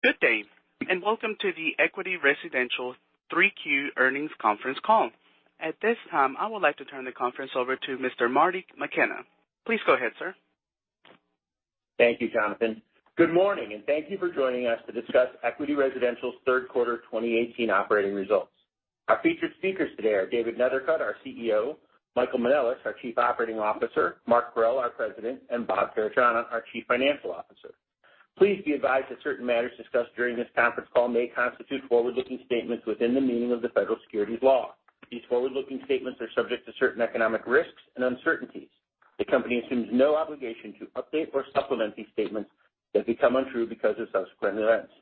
Good day, welcome to the Equity Residential 3Q Earnings Conference Call. At this time, I would like to turn the conference over to Mr. Marty McKenna. Please go ahead, sir. Thank you, Jonathan. Good morning, thank you for joining us to discuss Equity Residential's third quarter 2018 operating results. Our featured speakers today are David Neithercut, our CEO, Michael Manelis, our Chief Operating Officer, Mark Parrell, our President, and Bob Garechana, our Chief Financial Officer. Please be advised that certain matters discussed during this conference call may constitute forward-looking statements within the meaning of the federal securities law. These forward-looking statements are subject to certain economic risks and uncertainties. The company assumes no obligation to update or supplement these statements that become untrue because of subsequent events.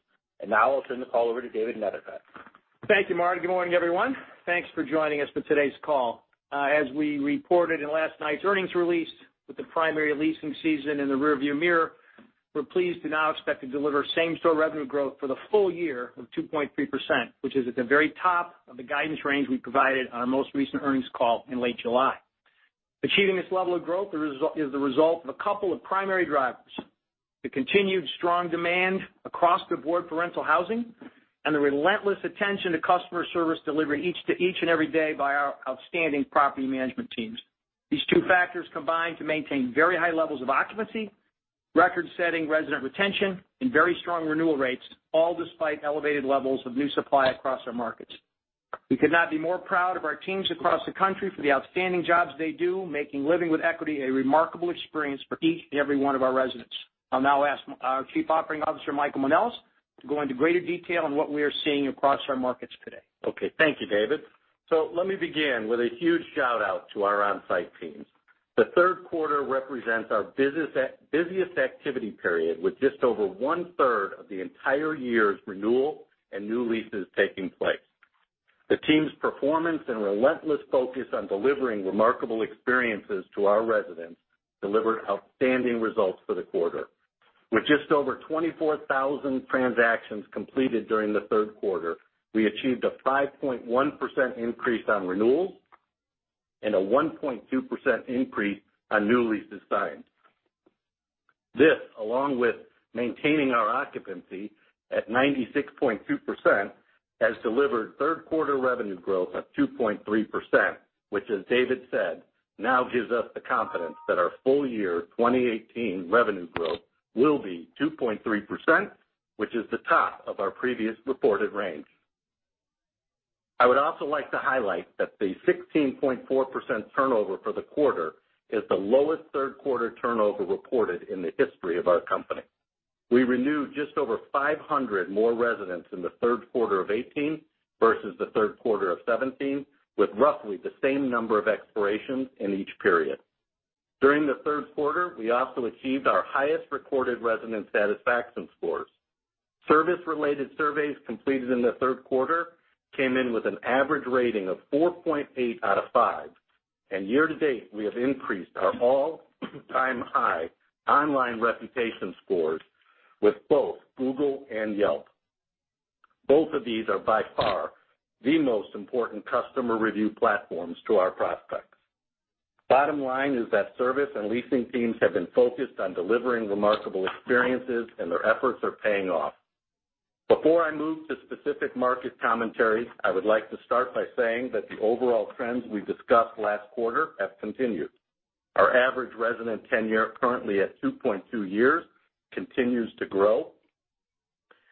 Now I'll turn the call over to David Neithercut. Thank you, Marty. Good morning, everyone. Thanks for joining us for today's call. As we reported in last night's earnings release with the primary leasing season in the rearview mirror, we're pleased to now expect to deliver same-store revenue growth for the full year of 2.3%, which is at the very top of the guidance range we provided on our most recent earnings call in late July. Achieving this level of growth is the result of a couple of primary drivers, the continued strong demand across the board for rental housing and the relentless attention to customer service delivered each and every day by our outstanding property management teams. These two factors combine to maintain very high levels of occupancy, record-setting resident retention, and very strong renewal rates, all despite elevated levels of new supply across our markets. We could not be more proud of our teams across the country for the outstanding jobs they do, making living with Equity a remarkable experience for each and every one of our residents. I'll now ask our Chief Operating Officer, Michael Manelis, to go into greater detail on what we are seeing across our markets today. Thank you, David. Let me begin with a huge shout-out to our on-site teams. The third quarter represents our busiest activity period, with just over one-third of the entire year's renewal and new leases taking place. The team's performance and relentless focus on delivering remarkable experiences to our residents delivered outstanding results for the quarter. With just over 24,000 transactions completed during the third quarter, we achieved a 5.1% increase on renewals and a 1.2% increase on new leases signed. This, along with maintaining our occupancy at 96.2%, has delivered third-quarter revenue growth of 2.3%, which, as David said, now gives us the confidence that our full year 2018 revenue growth will be 2.3%, which is the top of our previous reported range. I would also like to highlight that the 16.4% turnover for the quarter is the lowest third-quarter turnover reported in the history of our company. We renewed just over 500 more residents in the third quarter of 2018 versus the third quarter of 2017, with roughly the same number of expirations in each period. During the third quarter, we also achieved our highest recorded resident satisfaction scores. Service-related surveys completed in the third quarter came in with an average rating of 4.8 out of 5, and year-to-date, we have increased our all-time high online reputation scores with both Google and Yelp. Both of these are by far the most important customer review platforms to our prospects. Bottom line is that service and leasing teams have been focused on delivering remarkable experiences, and their efforts are paying off. Before I move to specific market commentary, I would like to start by saying that the overall trends we discussed last quarter have continued. Our average resident tenure, currently at 2.2 years, continues to grow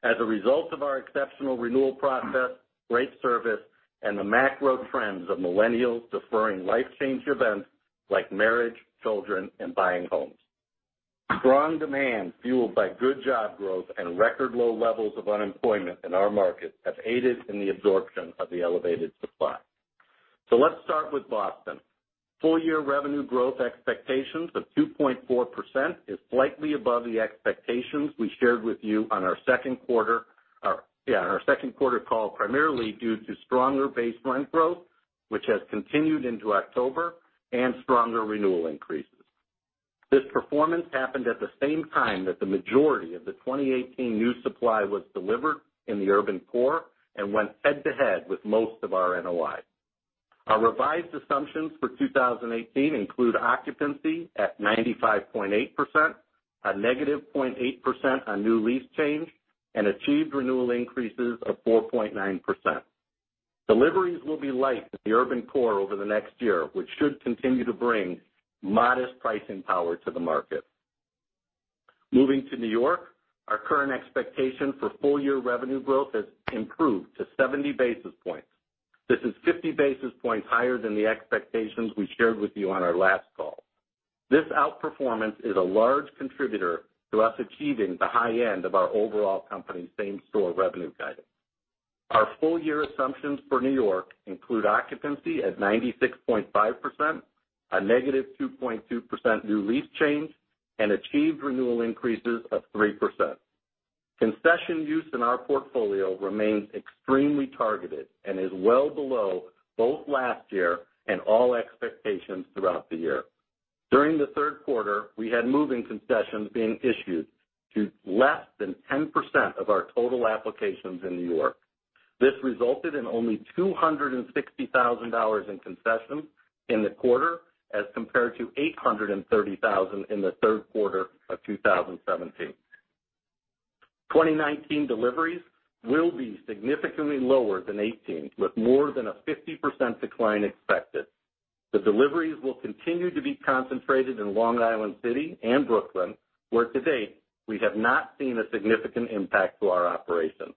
as a result of our exceptional renewal process, great service, and the macro trends of millennials deferring life change events like marriage, children, and buying homes. Strong demand fueled by good job growth and record low levels of unemployment in our market have aided in the absorption of the elevated supply. Let's start with Boston. Full-year revenue growth expectations of 2.4% is slightly above the expectations we shared with you on our second quarter call, primarily due to stronger base rent growth, which has continued into October, and stronger renewal increases. This performance happened at the same time that the majority of the 2018 new supply was delivered in the urban core and went head-to-head with most of our NOIs. Our revised assumptions for 2018 include occupancy at 95.8%, a negative 0.8% on new lease change, and achieved renewal increases of 4.9%. Deliveries will be light in the urban core over the next year, which should continue to bring modest pricing power to the market. Moving to New York, our current expectation for full-year revenue growth has improved to 70 basis points. This is 50 basis points higher than the expectations we shared with you on our last call. This outperformance is a large contributor to us achieving the high end of our overall company same-store revenue guidance. Our full year assumptions for New York include occupancy at 96.5%, a negative 2.2% new lease change, and achieved renewal increases of 3%. Concession use in our portfolio remains extremely targeted and is well below both last year and all expectations throughout the year. During the third quarter, we had moving concessions being issued to less than 10% of our total applications in New York. This resulted in only $260,000 in concessions in the quarter, as compared to $830,000 in the third quarter of 2017. 2019 deliveries will be significantly lower than 2018, with more than a 50% decline expected. The deliveries will continue to be concentrated in Long Island City and Brooklyn, where to date, we have not seen a significant impact to our operations.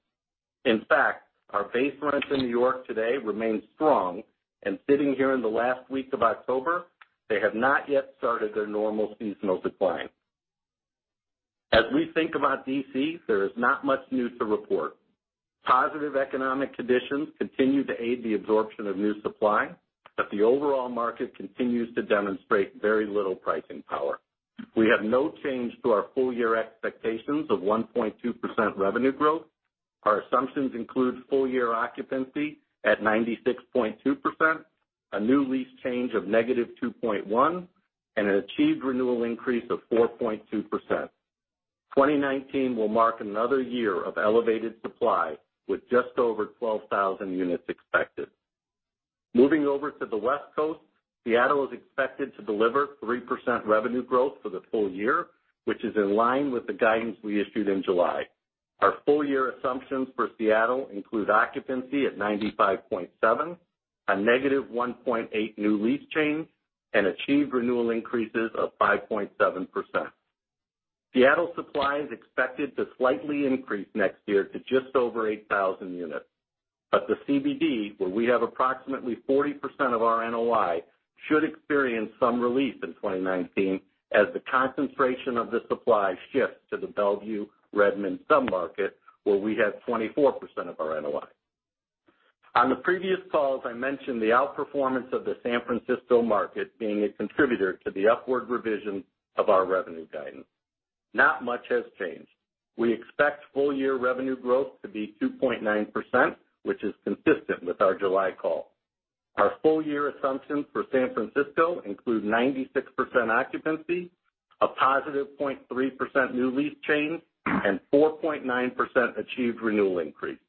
In fact, our base rents in New York today remain strong, and sitting here in the last week of October, they have not yet started their normal seasonal decline. As we think about D.C., there is not much new to report. Positive economic conditions continue to aid the absorption of new supply, but the overall market continues to demonstrate very little pricing power. We have no change to our full-year expectations of 1.2% revenue growth. Our assumptions include full-year occupancy at 96.2%, a new lease change of -2.1%, and an achieved renewal increase of 4.2%. 2019 will mark another year of elevated supply, with just over 12,000 units expected. Moving over to the West Coast, Seattle is expected to deliver 3% revenue growth for the full year, which is in line with the guidance we issued in July. Our full-year assumptions for Seattle include occupancy at 95.7%, a -1.8% new lease change, and achieved renewal increases of 5.7%. Seattle supply is expected to slightly increase next year to just over 8,000 units. The CBD, where we have approximately 40% of our NOI, should experience some relief in 2019 as the concentration of the supply shifts to the Bellevue/Redmond sub-market, where we have 24% of our NOI. On the previous calls, I mentioned the outperformance of the San Francisco market being a contributor to the upward revision of our revenue guidance. Not much has changed. We expect full-year revenue growth to be 2.9%, which is consistent with our July call. Our full-year assumptions for San Francisco include 96% occupancy, a positive 0.3% new lease change, and 4.9% achieved renewal increase.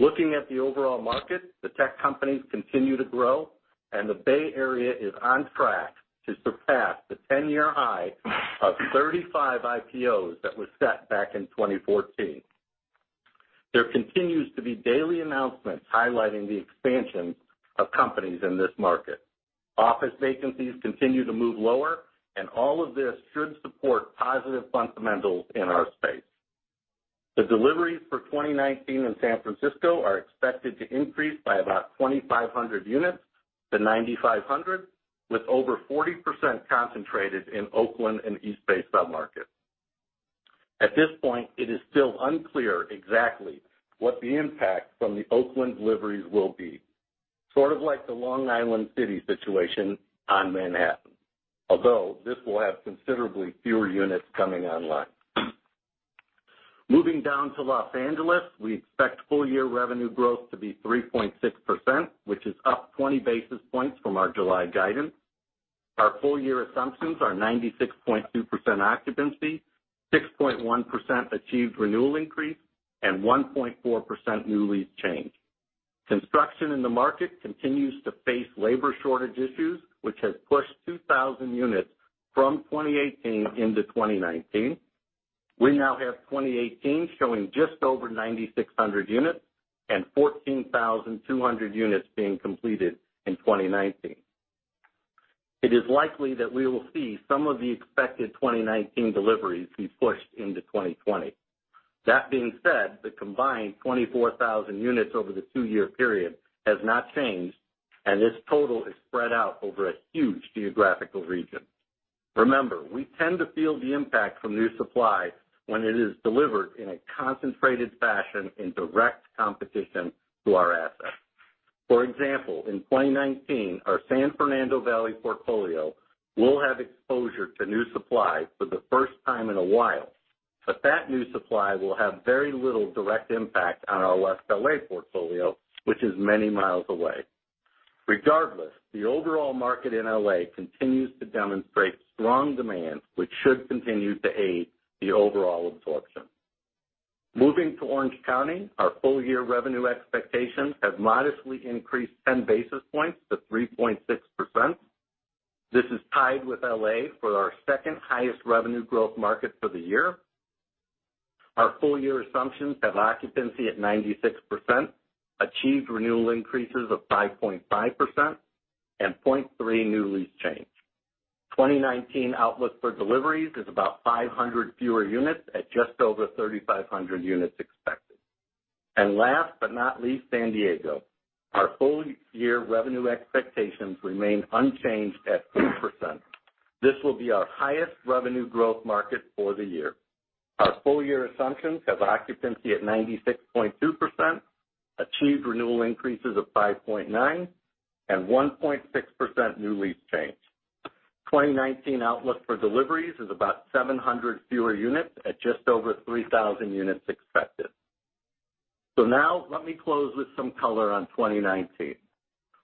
Looking at the overall market, the tech companies continue to grow, and the Bay Area is on track to surpass the 10-year high of 35 IPOs that were set back in 2014. There continues to be daily announcements highlighting the expansion of companies in this market. Office vacancies continue to move lower, and all of this should support positive fundamentals in our space. The deliveries for 2019 in San Francisco are expected to increase by about 2,500 units to 9,500, with over 40% concentrated in Oakland and East Bay sub-market. At this point, it is still unclear exactly what the impact from the Oakland deliveries will be. Sort of like the Long Island City situation on Manhattan. Although, this will have considerably fewer units coming online. Moving down to Los Angeles, we expect full-year revenue growth to be 3.6%, which is up 20 basis points from our July guidance. Our full-year assumptions are 96.2% occupancy, 6.1% achieved renewal increase, and 1.4% new lease change. Construction in the market continues to face labor shortage issues, which has pushed 2,000 units from 2018 into 2019. We now have 2018 showing just over 9,600 units and 14,200 units being completed in 2019. It is likely that we will see some of the expected 2019 deliveries be pushed into 2020. That being said, the combined 24,000 units over the two-year period has not changed, and this total is spread out over a huge geographical region. Remember, we tend to feel the impact from new supply when it is delivered in a concentrated fashion in direct competition to our assets. For example, in 2019, our San Fernando Valley portfolio will have exposure to new supply for the first time in a while. That new supply will have very little direct impact on our West L.A. portfolio, which is many miles away. Regardless, the overall market in L.A. continues to demonstrate strong demand, which should continue to aid the overall absorption. Moving to Orange County, our full-year revenue expectations have modestly increased 10 basis points to 3.6%. This is tied with L.A. for our second highest revenue growth market for the year. Our full-year assumptions have occupancy at 96%, achieved renewal increases of 5.5%, and 0.3% new lease change. 2019 outlook for deliveries is about 500 fewer units at just over 3,500 units expected. Last but not least, San Diego. Our full-year revenue expectations remain unchanged at 3%. This will be our highest revenue growth market for the year. Our full-year assumptions have occupancy at 96.2%, achieved renewal increases of 5.9%, and 1.6% new lease change. 2019 outlook for deliveries is about 700 fewer units at just over 3,000 units expected. Now let me close with some color on 2019.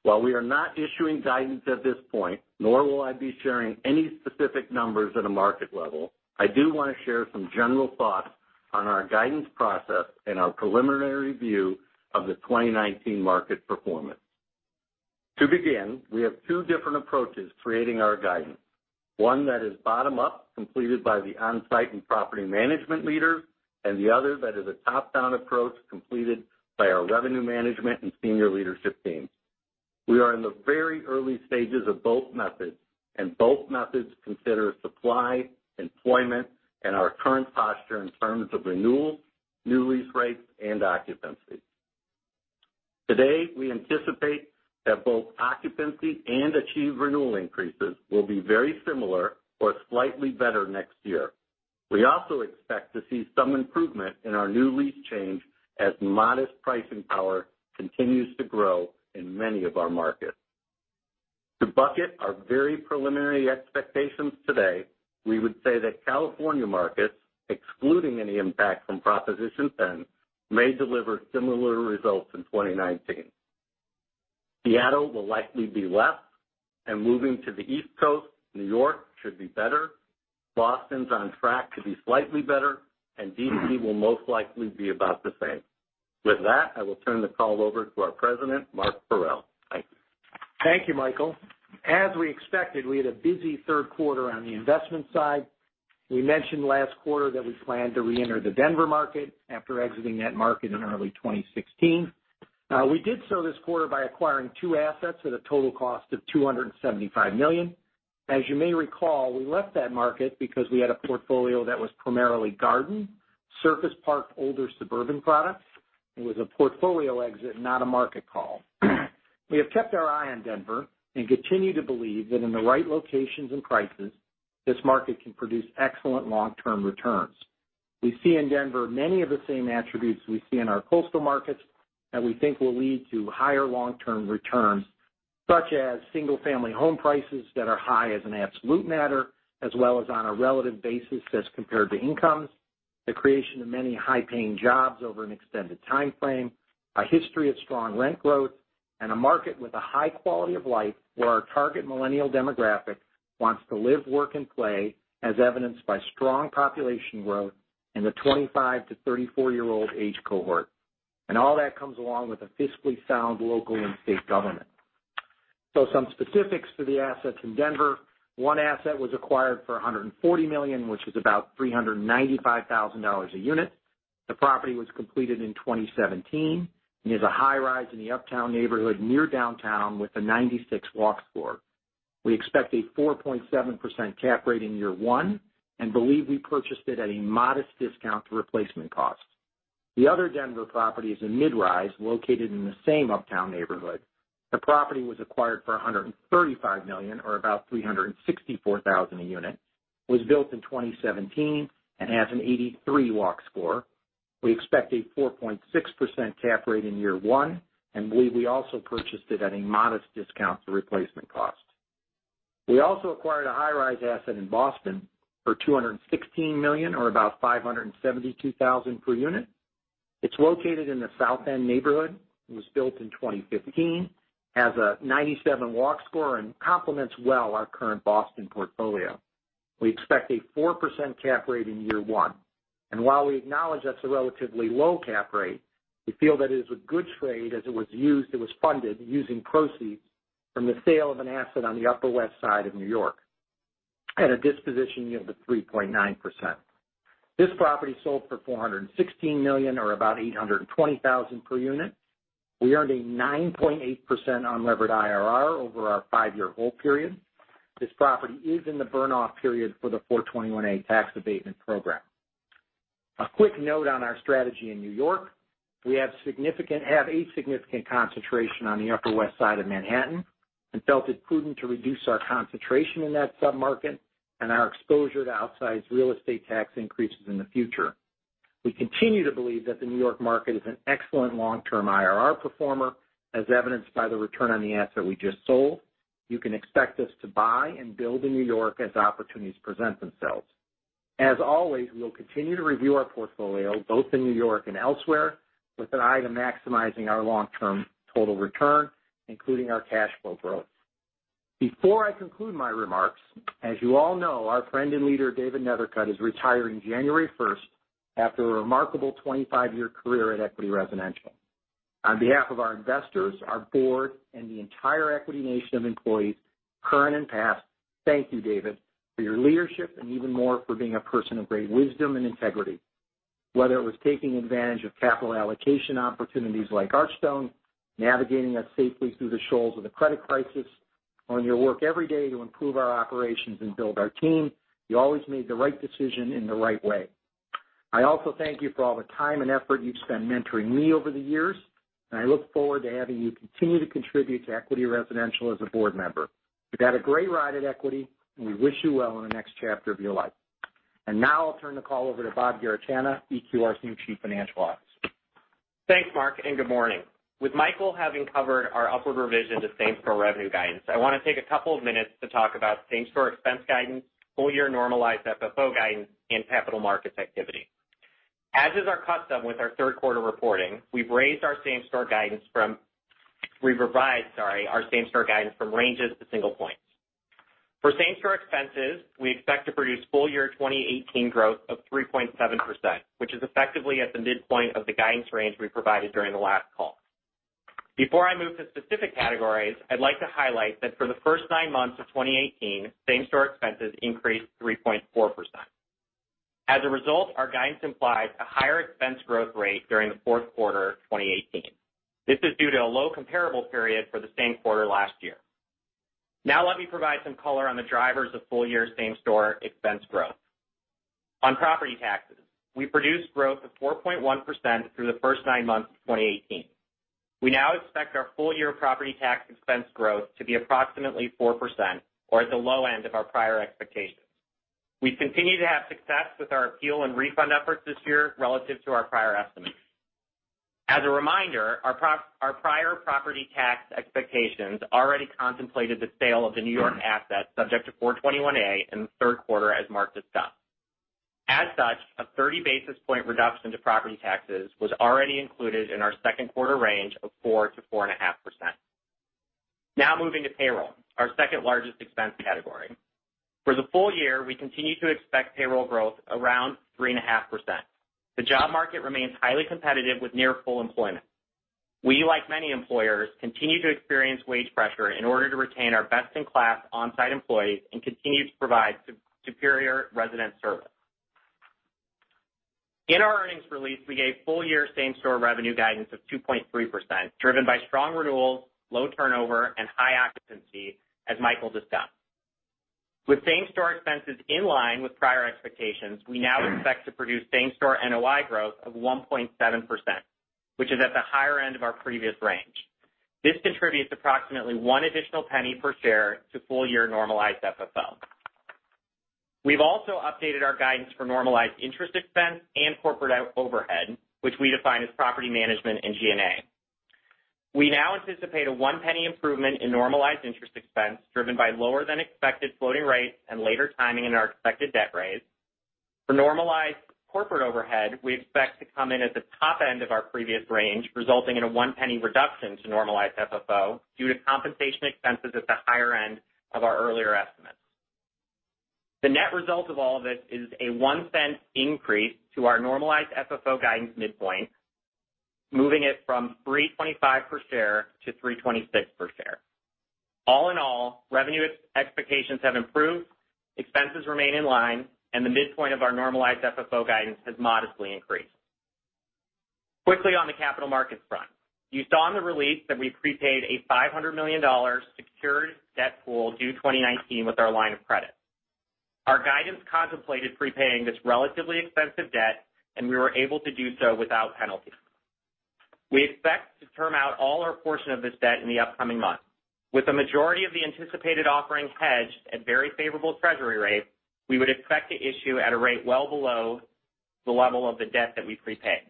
While we are not issuing guidance at this point, nor will I be sharing any specific numbers at a market level, I do want to share some general thoughts on our guidance process and our preliminary view of the 2019 market performance. To begin, we have two different approaches creating our guidance. One that is bottom-up, completed by the onsite and property management leader, and the other that is a top-down approach completed by our revenue management and senior leadership teams. We are in the very early stages of both methods, and both methods consider supply, employment, and our current posture in terms of renewals, new lease rates, and occupancy. Today, we anticipate that both occupancy and achieved renewal increases will be very similar or slightly better next year. We also expect to see some improvement in our new lease change as modest pricing power continues to grow in many of our markets. To bucket our very preliminary expectations today, we would say that California markets, excluding any impact from Proposition 10, may deliver similar results in 2019. Seattle will likely be less. Moving to the East Coast, New York should be better. Boston's on track to be slightly better, and D.C. will most likely be about the same. With that, I will turn the call over to our President, Mark Parrell. Thank you. Thank you, Michael. As we expected, we had a busy third quarter on the investment side. We mentioned last quarter that we planned to reenter the Denver market after exiting that market in early 2016. We did so this quarter by acquiring two assets at a total cost of $275 million. As you may recall, we left that market because we had a portfolio that was primarily garden, surface parked older suburban products. It was a portfolio exit, not a market call. We have kept our eye on Denver and continue to believe that in the right locations and prices, this market can produce excellent long-term returns. We see in Denver many of the same attributes we see in our coastal markets that we think will lead to higher long-term returns, such as single-family home prices that are high as an absolute matter, as well as on a relative basis as compared to incomes, the creation of many high-paying jobs over an extended timeframe, a history of strong rent growth, a market with a high quality of life where our target millennial demographic wants to live, work, and play, as evidenced by strong population growth in the 25 to 34-year-old age cohort. All that comes along with a fiscally sound local and state government. Some specifics for the assets in Denver. One asset was acquired for $140 million, which is about $395,000 a unit. The property was completed in 2017 and is a high rise in the Uptown neighborhood near downtown with a 96 Walk Score. We expect a 4.7% cap rate in year one and believe we purchased it at a modest discount to replacement cost. The other Denver property is a mid-rise located in the same Uptown neighborhood. The property was acquired for $135 million or about $364,000 a unit. Was built in 2017 and has an 83 Walk Score. We expect a 4.6% cap rate in year one and believe we also purchased it at a modest discount to replacement cost. We also acquired a high-rise asset in Boston for $216 million or about $572,000 per unit. It's located in the South End neighborhood. It was built in 2015, has a 97 Walk Score, and complements well our current Boston portfolio. We expect a 4% cap rate in year one. While we acknowledge that's a relatively low cap rate, we feel that it is a good trade as it was funded using proceeds from the sale of an asset on the Upper West Side of New York at a disposition yield of 3.9%. This property sold for $416 million or about $820,000 per unit. We earned a 9.8% unlevered IRR over our five-year hold period. This property is in the burn off period for the 421-a tax abatement program. A quick note on our strategy in New York. We have a significant concentration on the Upper West Side of Manhattan and felt it prudent to reduce our concentration in that sub-market and our exposure to outsized real estate tax increases in the future. We continue to believe that the New York market is an excellent long-term IRR performer, as evidenced by the return on the asset we just sold. You can expect us to buy and build in New York as opportunities present themselves. As always, we'll continue to review our portfolio both in New York and elsewhere with an eye to maximizing our long-term total return, including our cash flow growth. Before I conclude my remarks, as you all know, our friend and leader, David Neithercut, is retiring January 1st after a remarkable 25-year career at Equity Residential. On behalf of our investors, our board, and the entire Equity nation of employees, current and past, thank you, David, for your leadership and even more for being a person of great wisdom and integrity. Whether it was taking advantage of capital allocation opportunities like Archstone, navigating us safely through the shoals of the credit crisis, on your work every day to improve our operations and build our team, you always made the right decision in the right way. I also thank you for all the time and effort you've spent mentoring me over the years, and I look forward to having you continue to contribute to Equity Residential as a board member. You've had a great ride at Equity, and we wish you well in the next chapter of your life. Now I'll turn the call over to Robert Garechana, EQR's new Chief Financial Officer. Thanks, Mark, and good morning. With Michael having covered our upward revision to same-store revenue guidance, I want to take a couple of minutes to talk about same-store expense guidance, full-year normalized FFO guidance, and capital markets activity. As is our custom with our third quarter reporting, we've revised, sorry, our same-store guidance from ranges to single points. For same-store expenses, we expect to produce full-year 2018 growth of 3.7%, which is effectively at the midpoint of the guidance range we provided during the last call. Before I move to specific categories, I'd like to highlight that for the first nine months of 2018, same-store expenses increased 3.4%. As a result, our guidance implies a higher expense growth rate during the fourth quarter 2018. This is due to a low comparable period for the same quarter last year. Now let me provide some color on the drivers of full-year same-store expense growth. On property taxes, we produced growth of 4.1% through the first nine months of 2018. We now expect our full year property tax expense growth to be approximately 4% or at the low end of our prior expectations. We continue to have success with our appeal and refund efforts this year relative to our prior estimates. As a reminder, our prior property tax expectations already contemplated the sale of the New York asset subject to 421-a in the third quarter, as Mark discussed. As such, a 30 basis point reduction to property taxes was already included in our second quarter range of 4%-4.5%. Now moving to payroll, our second largest expense category. For the full year, we continue to expect payroll growth around 3.5%. The job market remains highly competitive with near full employment. We, like many employers, continue to experience wage pressure in order to retain our best-in-class on-site employees and continue to provide superior resident service. In our earnings release, we gave full year same-store revenue guidance of 2.3%, driven by strong renewals, low turnover, and high occupancy, as Michael discussed. With same-store expenses in line with prior expectations, we now expect to produce same-store NOI growth of 1.7%, which is at the higher end of our previous range. This contributes approximately $0.01 per share to full year normalized FFO. We have also updated our guidance for normalized interest expense and corporate overhead, which we define as property management and G&A. We now anticipate a $0.01 improvement in normalized interest expense, driven by lower than expected floating rates and later timing in our expected debt raise. For normalized corporate overhead, we expect to come in at the top end of our previous range, resulting in a $0.01 reduction to normalized FFO due to compensation expenses at the higher end of our earlier estimates. The net result of all this is a $0.01 increase to our normalized FFO guidance midpoint, moving it from $3.25 per share to $3.26 per share. All in all, revenue expectations have improved, expenses remain in line, and the midpoint of our normalized FFO guidance has modestly increased. Quickly on the capital markets front. You saw in the release that we prepaid a $500 million secured debt pool due 2019 with our line of credit. Our guidance contemplated prepaying this relatively expensive debt, and we were able to do so without penalty. We expect to term out all our portion of this debt in the upcoming months. With the majority of the anticipated offerings hedged at very favorable treasury rates, we would expect to issue at a rate well below the level of the debt that we prepaid.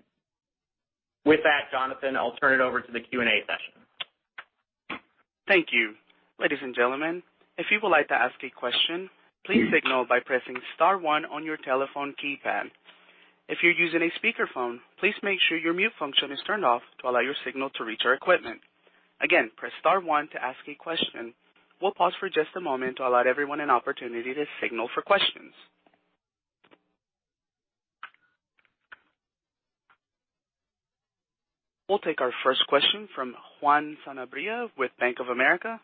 With that, Jonathan, I will turn it over to the Q&A session. Thank you. Ladies and gentlemen, if you would like to ask a question, please signal by pressing star one on your telephone keypad. If you're using a speakerphone, please make sure your mute function is turned off to allow your signal to reach our equipment. Again, press star one to ask a question. We'll pause for just a moment to allow everyone an opportunity to signal for questions. We'll take our first question from Juan Sanabria with Bank of America.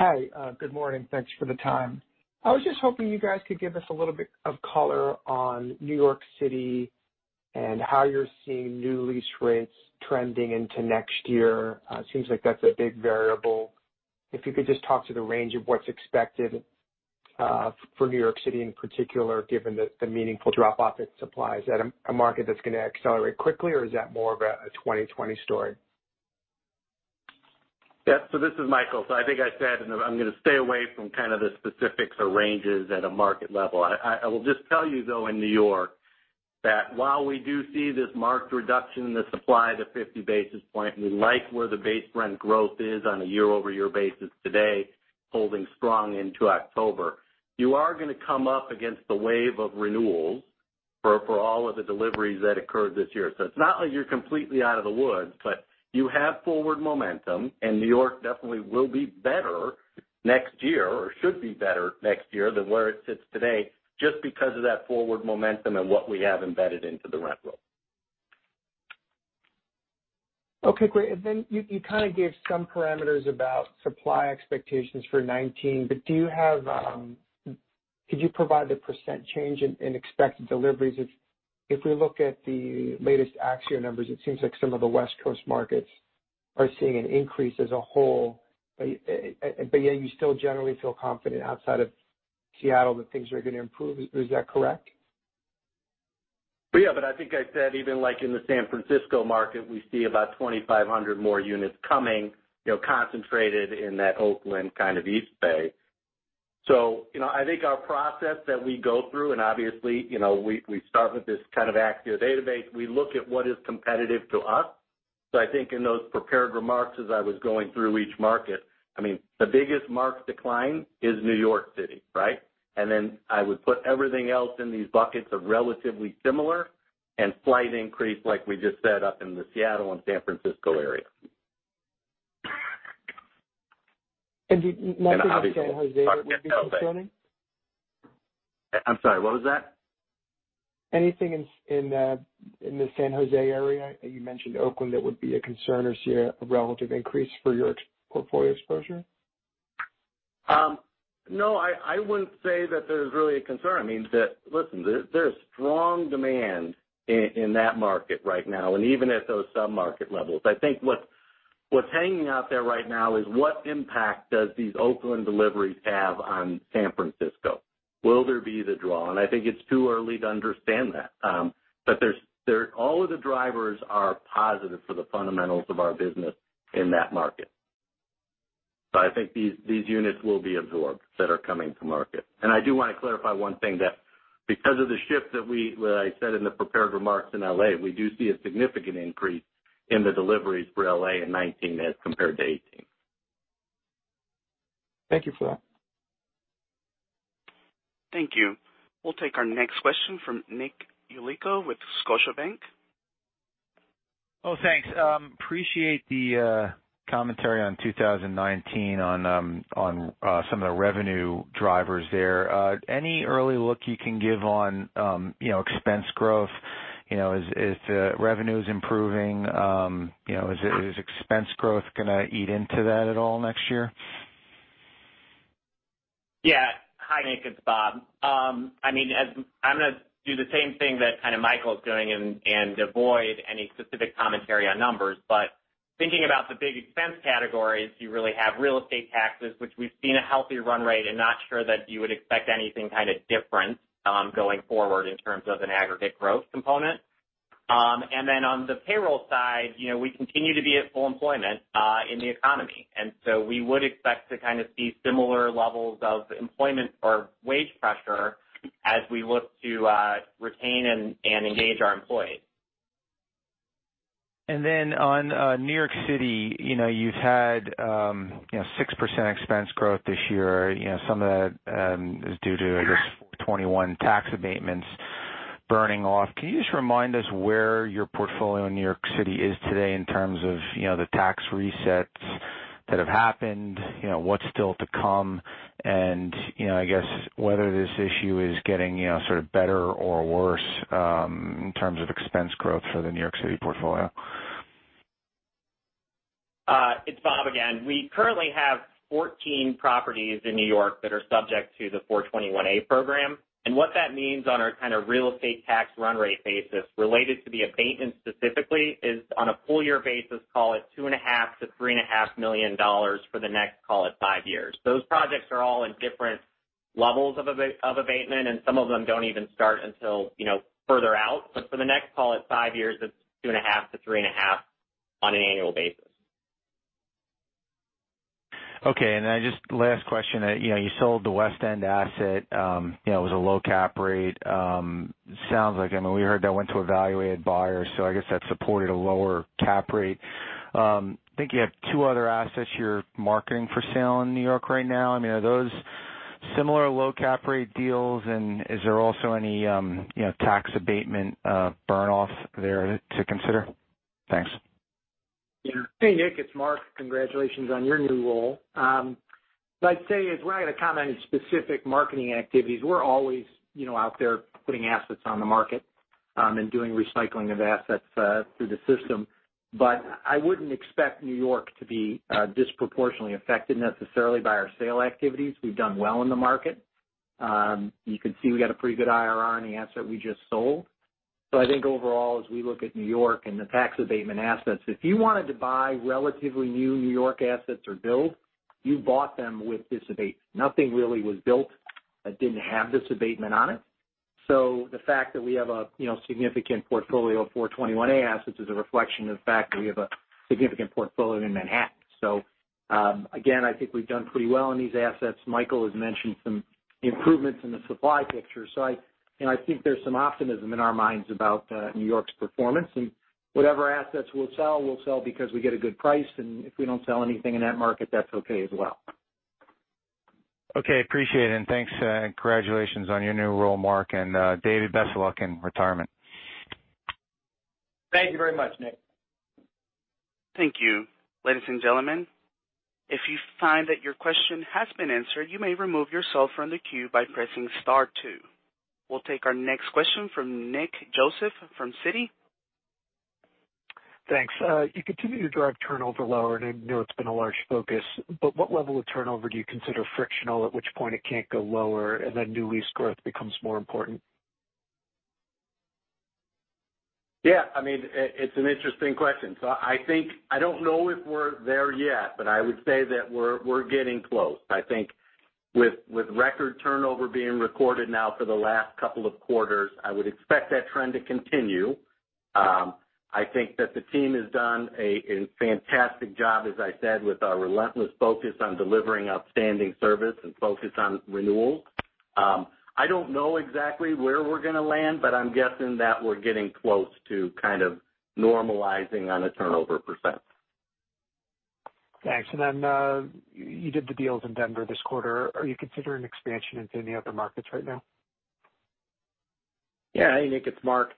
Hi. Good morning. Thanks for the time. I was just hoping you guys could give us a little bit of color on New York City and how you're seeing new lease rates trending into next year. Seems like that's a big variable. If you could just talk to the range of what's expected for New York City in particular, given the meaningful drop-off in supply. Is that a market that's going to accelerate quickly or is that more of a 2020 story? Yeah. This is Michael. I think I said, I'm going to stay away from kind of the specifics or ranges at a market level. I will just tell you, though, in New York, that while we do see this marked reduction in the supply to 50 basis points, we like where the base rent growth is on a year-over-year basis today, holding strong into October. You are going to come up against the wave of renewals for all of the deliveries that occurred this year. It's not like you're completely out of the woods, but you have forward momentum, and New York definitely will be better next year, or should be better next year than where it sits today just because of that forward momentum and what we have embedded into the rent roll. Okay, great. Then you kind of gave some parameters about supply expectations for 2019, but could you provide the % change in expected deliveries? If we look at the latest Axiometrics numbers, it seems like some of the West Coast markets are seeing an increase as a whole, but yet you still generally feel confident outside of Seattle that things are going to improve. Is that correct? Yeah, I think I said even like in the San Francisco market, we see about 2,500 more units coming concentrated in that Oakland kind of East Bay. I think our process that we go through, and obviously we start with this kind of Axiometrics database. We look at what is competitive to us I think in those prepared remarks, as I was going through each market, the biggest marked decline is New York City, right? Then I would put everything else in these buckets of relatively similar and slight increase, like we just said, up in the Seattle and San Francisco area. Do you- Obviously- Nothing in San Jose that would be concerning? I'm sorry, what was that? Anything in the San Jose area, you mentioned Oakland, that would be a concern or see a relative increase for your portfolio exposure? I wouldn't say that there's really a concern. Listen, there's strong demand in that market right now, and even at those sub-market levels. I think what's hanging out there right now is what impact does these Oakland deliveries have on San Francisco? Will there be the draw? I think it's too early to understand that. All of the drivers are positive for the fundamentals of our business in that market. I think these units will be absorbed that are coming to market. I do want to clarify one thing, that because of the shift that I said in the prepared remarks in L.A., we do see a significant increase in the deliveries for L.A. in 2019 as compared to 2018. Thank you for that. Thank you. We'll take our next question from Nicholas Yulico with Scotiabank. Thanks. Appreciate the commentary on 2019 on some of the revenue drivers there. Any early look you can give on expense growth? As revenues improving, is expense growth going to eat into that at all next year? Hi, Nick, it's Bob. I'm going to do the same thing that kind of Michael's doing and avoid any specific commentary on numbers. Thinking about the big expense categories, you really have real estate taxes, which we've seen a healthy run rate, and not sure that you would expect anything kind of different going forward in terms of an aggregate growth component. On the payroll side, we continue to be at full employment in the economy. We would expect to kind of see similar levels of employment or wage pressure as we look to retain and engage our employees. On New York City, you've had 6% expense growth this year. Some of that is due to, I guess, 421-a tax abatements burning off. Can you just remind us where your portfolio in New York City is today in terms of the tax resets that have happened, what's still to come, and, I guess, whether this issue is getting sort of better or worse in terms of expense growth for the New York City portfolio? It's Bob again. We currently have 14 properties in New York that are subject to the 421-a program. What that means on our kind of real estate tax run rate basis related to the abatement specifically, is on a full year basis, call it two and a half to three and a half million dollars for the next, call it, five years. Those projects are all in different levels of abatement, and some of them don't even start until further out. For the next, call it, five years, it's two and a half to three and a half on an annual basis. Okay. Just last question. You sold the West End asset. It was a low cap rate. Sounds like we heard that went to an value-add buyer, so I guess that supported a lower cap rate. I think you have two other assets you're marketing for sale in New York right now. Are those similar low cap rate deals, and is there also any tax abatement burn off there to consider? Thanks. Yeah. Hey, Nick, it's Mark. Congratulations on your new role. I'd say, we're not going to comment on any specific marketing activities. We're always out there putting assets on the market and doing recycling of assets through the system. I wouldn't expect New York to be disproportionately affected necessarily by our sale activities. We've done well in the market. You could see we got a pretty good IRR on the asset we just sold. I think overall, as we look at New York and the tax abatement assets, if you wanted to buy relatively new New York assets or build, you bought them with this abatement. Nothing really was built that didn't have this abatement on it. The fact that we have a significant portfolio of 421-a assets is a reflection of the fact that we have a significant portfolio in Manhattan. Again, I think we've done pretty well on these assets. Michael has mentioned some improvements in the supply picture. I think there's some optimism in our minds about New York's performance. Whatever assets we'll sell, we'll sell because we get a good price, and if we don't sell anything in that market, that's okay as well. Okay, appreciate it, thanks, congratulations on your new role, Mark, David, best of luck in retirement. Thank you very much, Nick. Thank you. Ladies and gentlemen, if you find that your question has been answered, you may remove yourself from the queue by pressing star 2. We'll take our next question from Nick Joseph from Citi. Thanks. You continue to drive turnover lower, and I know it's been a large focus, but what level of turnover do you consider frictional, at which point it can't go lower and then new lease growth becomes more important? Yeah. It's an interesting question. I don't know if we're there yet, but I would say that we're getting close. I think with record turnover being recorded now for the last couple of quarters, I would expect that trend to continue. I think that the team has done a fantastic job, as I said, with our relentless focus on delivering outstanding service and focus on renewals. I don't know exactly where we're going to land, but I'm guessing that we're getting close to kind of normalizing on a turnover %. Thanks. You did the deals in Denver this quarter. Are you considering expansion into any other markets right now? Yeah. Hey, Nick, it's Mark.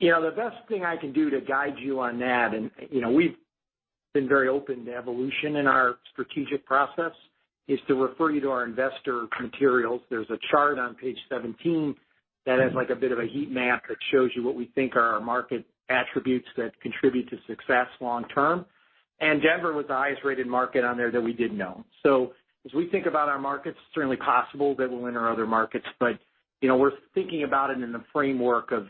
The best thing I can do to guide you on that, and we've been very open to evolution in our strategic process, is to refer you to our investor materials. There's a chart on page 17 that has like a bit of a heat map that shows you what we think are our market attributes that contribute to success long term. Denver was the highest-rated market on there that we didn't own. As we think about our markets, it's certainly possible that we'll enter other markets. We're thinking about it in the framework of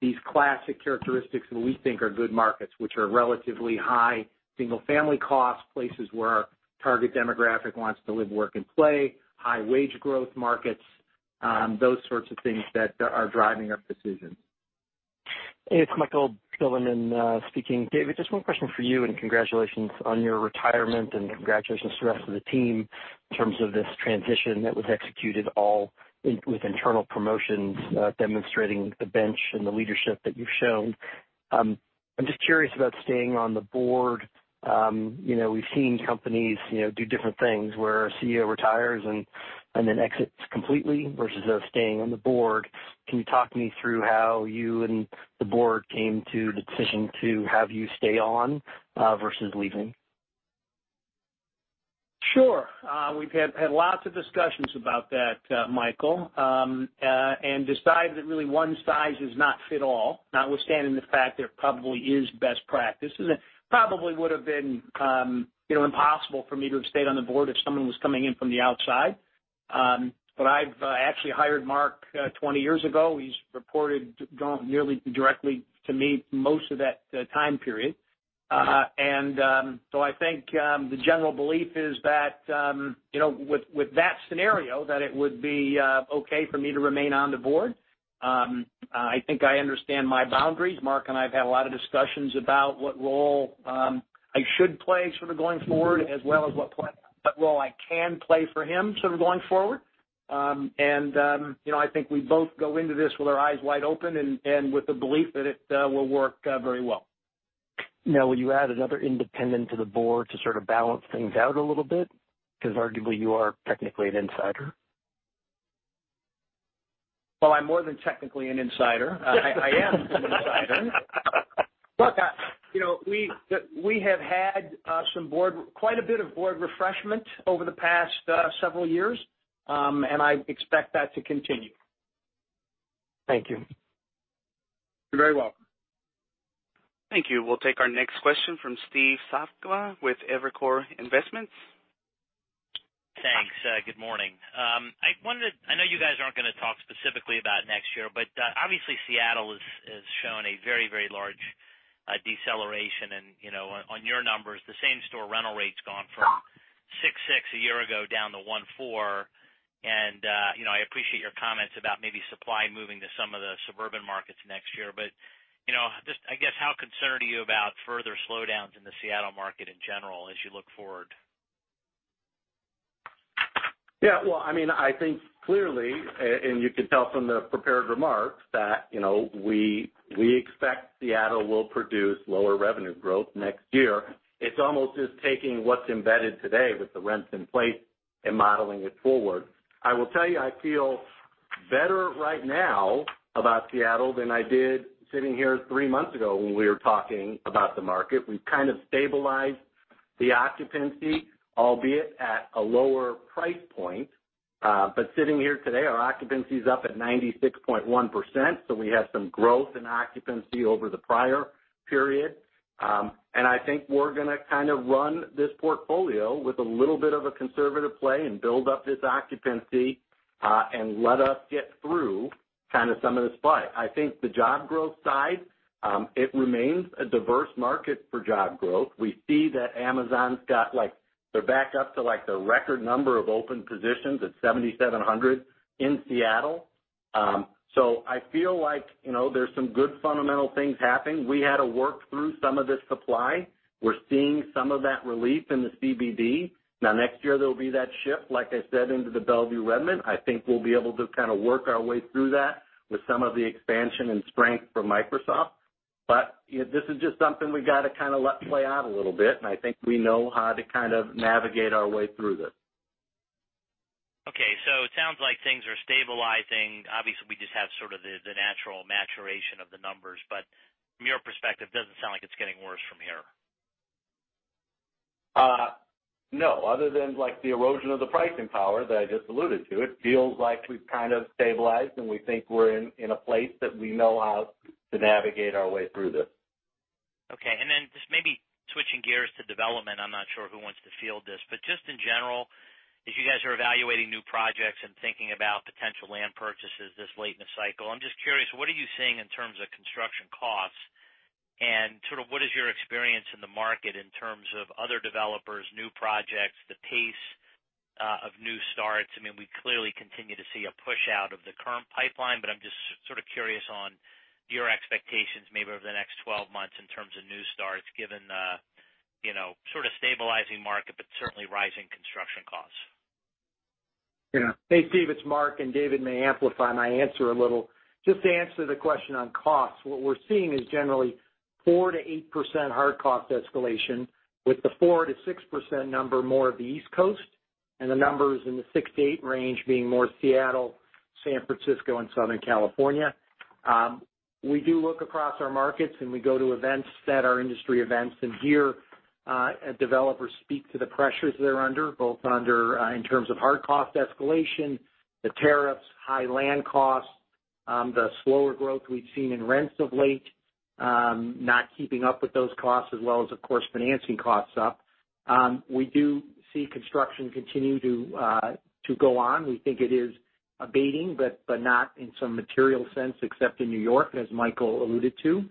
these classic characteristics that we think are good markets, which are relatively high single-family costs, places where our target demographic wants to live, work, and play, high wage growth markets, those sorts of things that are driving our decisions. Hey, it's Michael Bilerman speaking. David, just one question for you, and congratulations on your retirement and congratulations to the rest of the team in terms of this transition that was executed all with internal promotions, demonstrating the bench and the leadership that you've shown. I'm just curious about staying on the board. We've seen companies do different things where a CEO retires and then exits completely versus staying on the board. Can you talk me through how you and the board came to the decision to have you stay on, versus leaving? Sure. We've had lots of discussions about that, Michael, and decided that really one size does not fit all, notwithstanding the fact that it probably is best practice. It probably would've been impossible for me to have stayed on the board if someone was coming in from the outside. I've actually hired Mark 20 years ago. He's reported nearly directly to me most of that time period. So I think, the general belief is that, with that scenario, that it would be okay for me to remain on the board. I think I understand my boundaries. Mark and I have had a lot of discussions about what role I should play sort of going forward, as well as what role I can play for him sort of going forward. I think we both go into this with our eyes wide open and with the belief that it will work very well. Now, will you add another independent to the board to sort of balance things out a little bit? Because arguably, you are technically an insider. Well, I'm more than technically an insider. I am an insider. Look, we have had quite a bit of board refreshment over the past several years, and I expect that to continue. Thank you. You're very welcome. Thank you. We'll take our next question from Steve Sakwa with Evercore ISI. Thanks. Good morning. I know you guys aren't going to talk specifically about next year. Obviously, Seattle has shown a very large deceleration. On your numbers, the same-store rental rate's gone from 6.6% a year ago down to 1.4%. I appreciate your comments about maybe supply moving to some of the suburban markets next year. Just, I guess, how concerned are you about further slowdowns in the Seattle market in general as you look forward? Yeah. Well, I think clearly, and you can tell from the prepared remarks, that we expect Seattle will produce lower revenue growth next year. It's almost just taking what's embedded today with the rents in place and modeling it forward. I will tell you, I feel better right now about Seattle than I did sitting here three months ago when we were talking about the market. We've kind of stabilized the occupancy, albeit at a lower price point. Sitting here today, our occupancy is up at 96.1%, so we had some growth in occupancy over the prior period. I think we're going to kind of run this portfolio with a little bit of a conservative play and build up this occupancy, and let us get through kind of some of the supply. I think the job growth side, it remains a diverse market for job growth. We see that Amazon's got like They're back up to like their record number of open positions at 7,700 in Seattle. I feel like there's some good fundamental things happening. We had to work through some of this supply. We're seeing some of that relief in the CBD. Next year, there'll be that shift, like I said, into the Bellevue-Redmond. I think we'll be able to kind of work our way through that with some of the expansion and strength from Microsoft. This is just something we got to kind of let play out a little bit, and I think we know how to kind of navigate our way through this. It sounds like things are stabilizing. Obviously, we just have sort of the natural maturation of the numbers. From your perspective, it doesn't sound like it's getting worse from here. No, other than like the erosion of the pricing power that I just alluded to, it feels like we've kind of stabilized, and we think we're in a place that we know how to navigate our way through this. Okay. Then just maybe switching gears to development. I'm not sure who wants to field this. Just in general, as you guys are evaluating new projects and thinking about potential land purchases this late in the cycle, I'm just curious, what are you seeing in terms of construction costs? Sort of what is your experience in the market in terms of other developers, new projects, the pace of new starts? We clearly continue to see a push out of the current pipeline, I'm just sort of curious on your expectations maybe over the next 12 months in terms of new starts given the sort of stabilizing market, certainly rising construction costs. Yeah. Hey, Steve, it's Mark, David may amplify my answer a little. Just to answer the question on costs, what we're seeing is generally 4%-8% hard cost escalation, with the 4%-6% number more of the East Coast, the numbers in the 6 to 8 range being more Seattle, San Francisco, and Southern California. We do look across our markets, we go to events that are industry events and hear developers speak to the pressures they're under, both in terms of hard cost escalation, the tariffs, high land costs, the slower growth we've seen in rents of late, not keeping up with those costs, as well as, of course, financing costs up. We do see construction continue to go on. We think it is abating, not in some material sense except in New York, as Michael alluded to.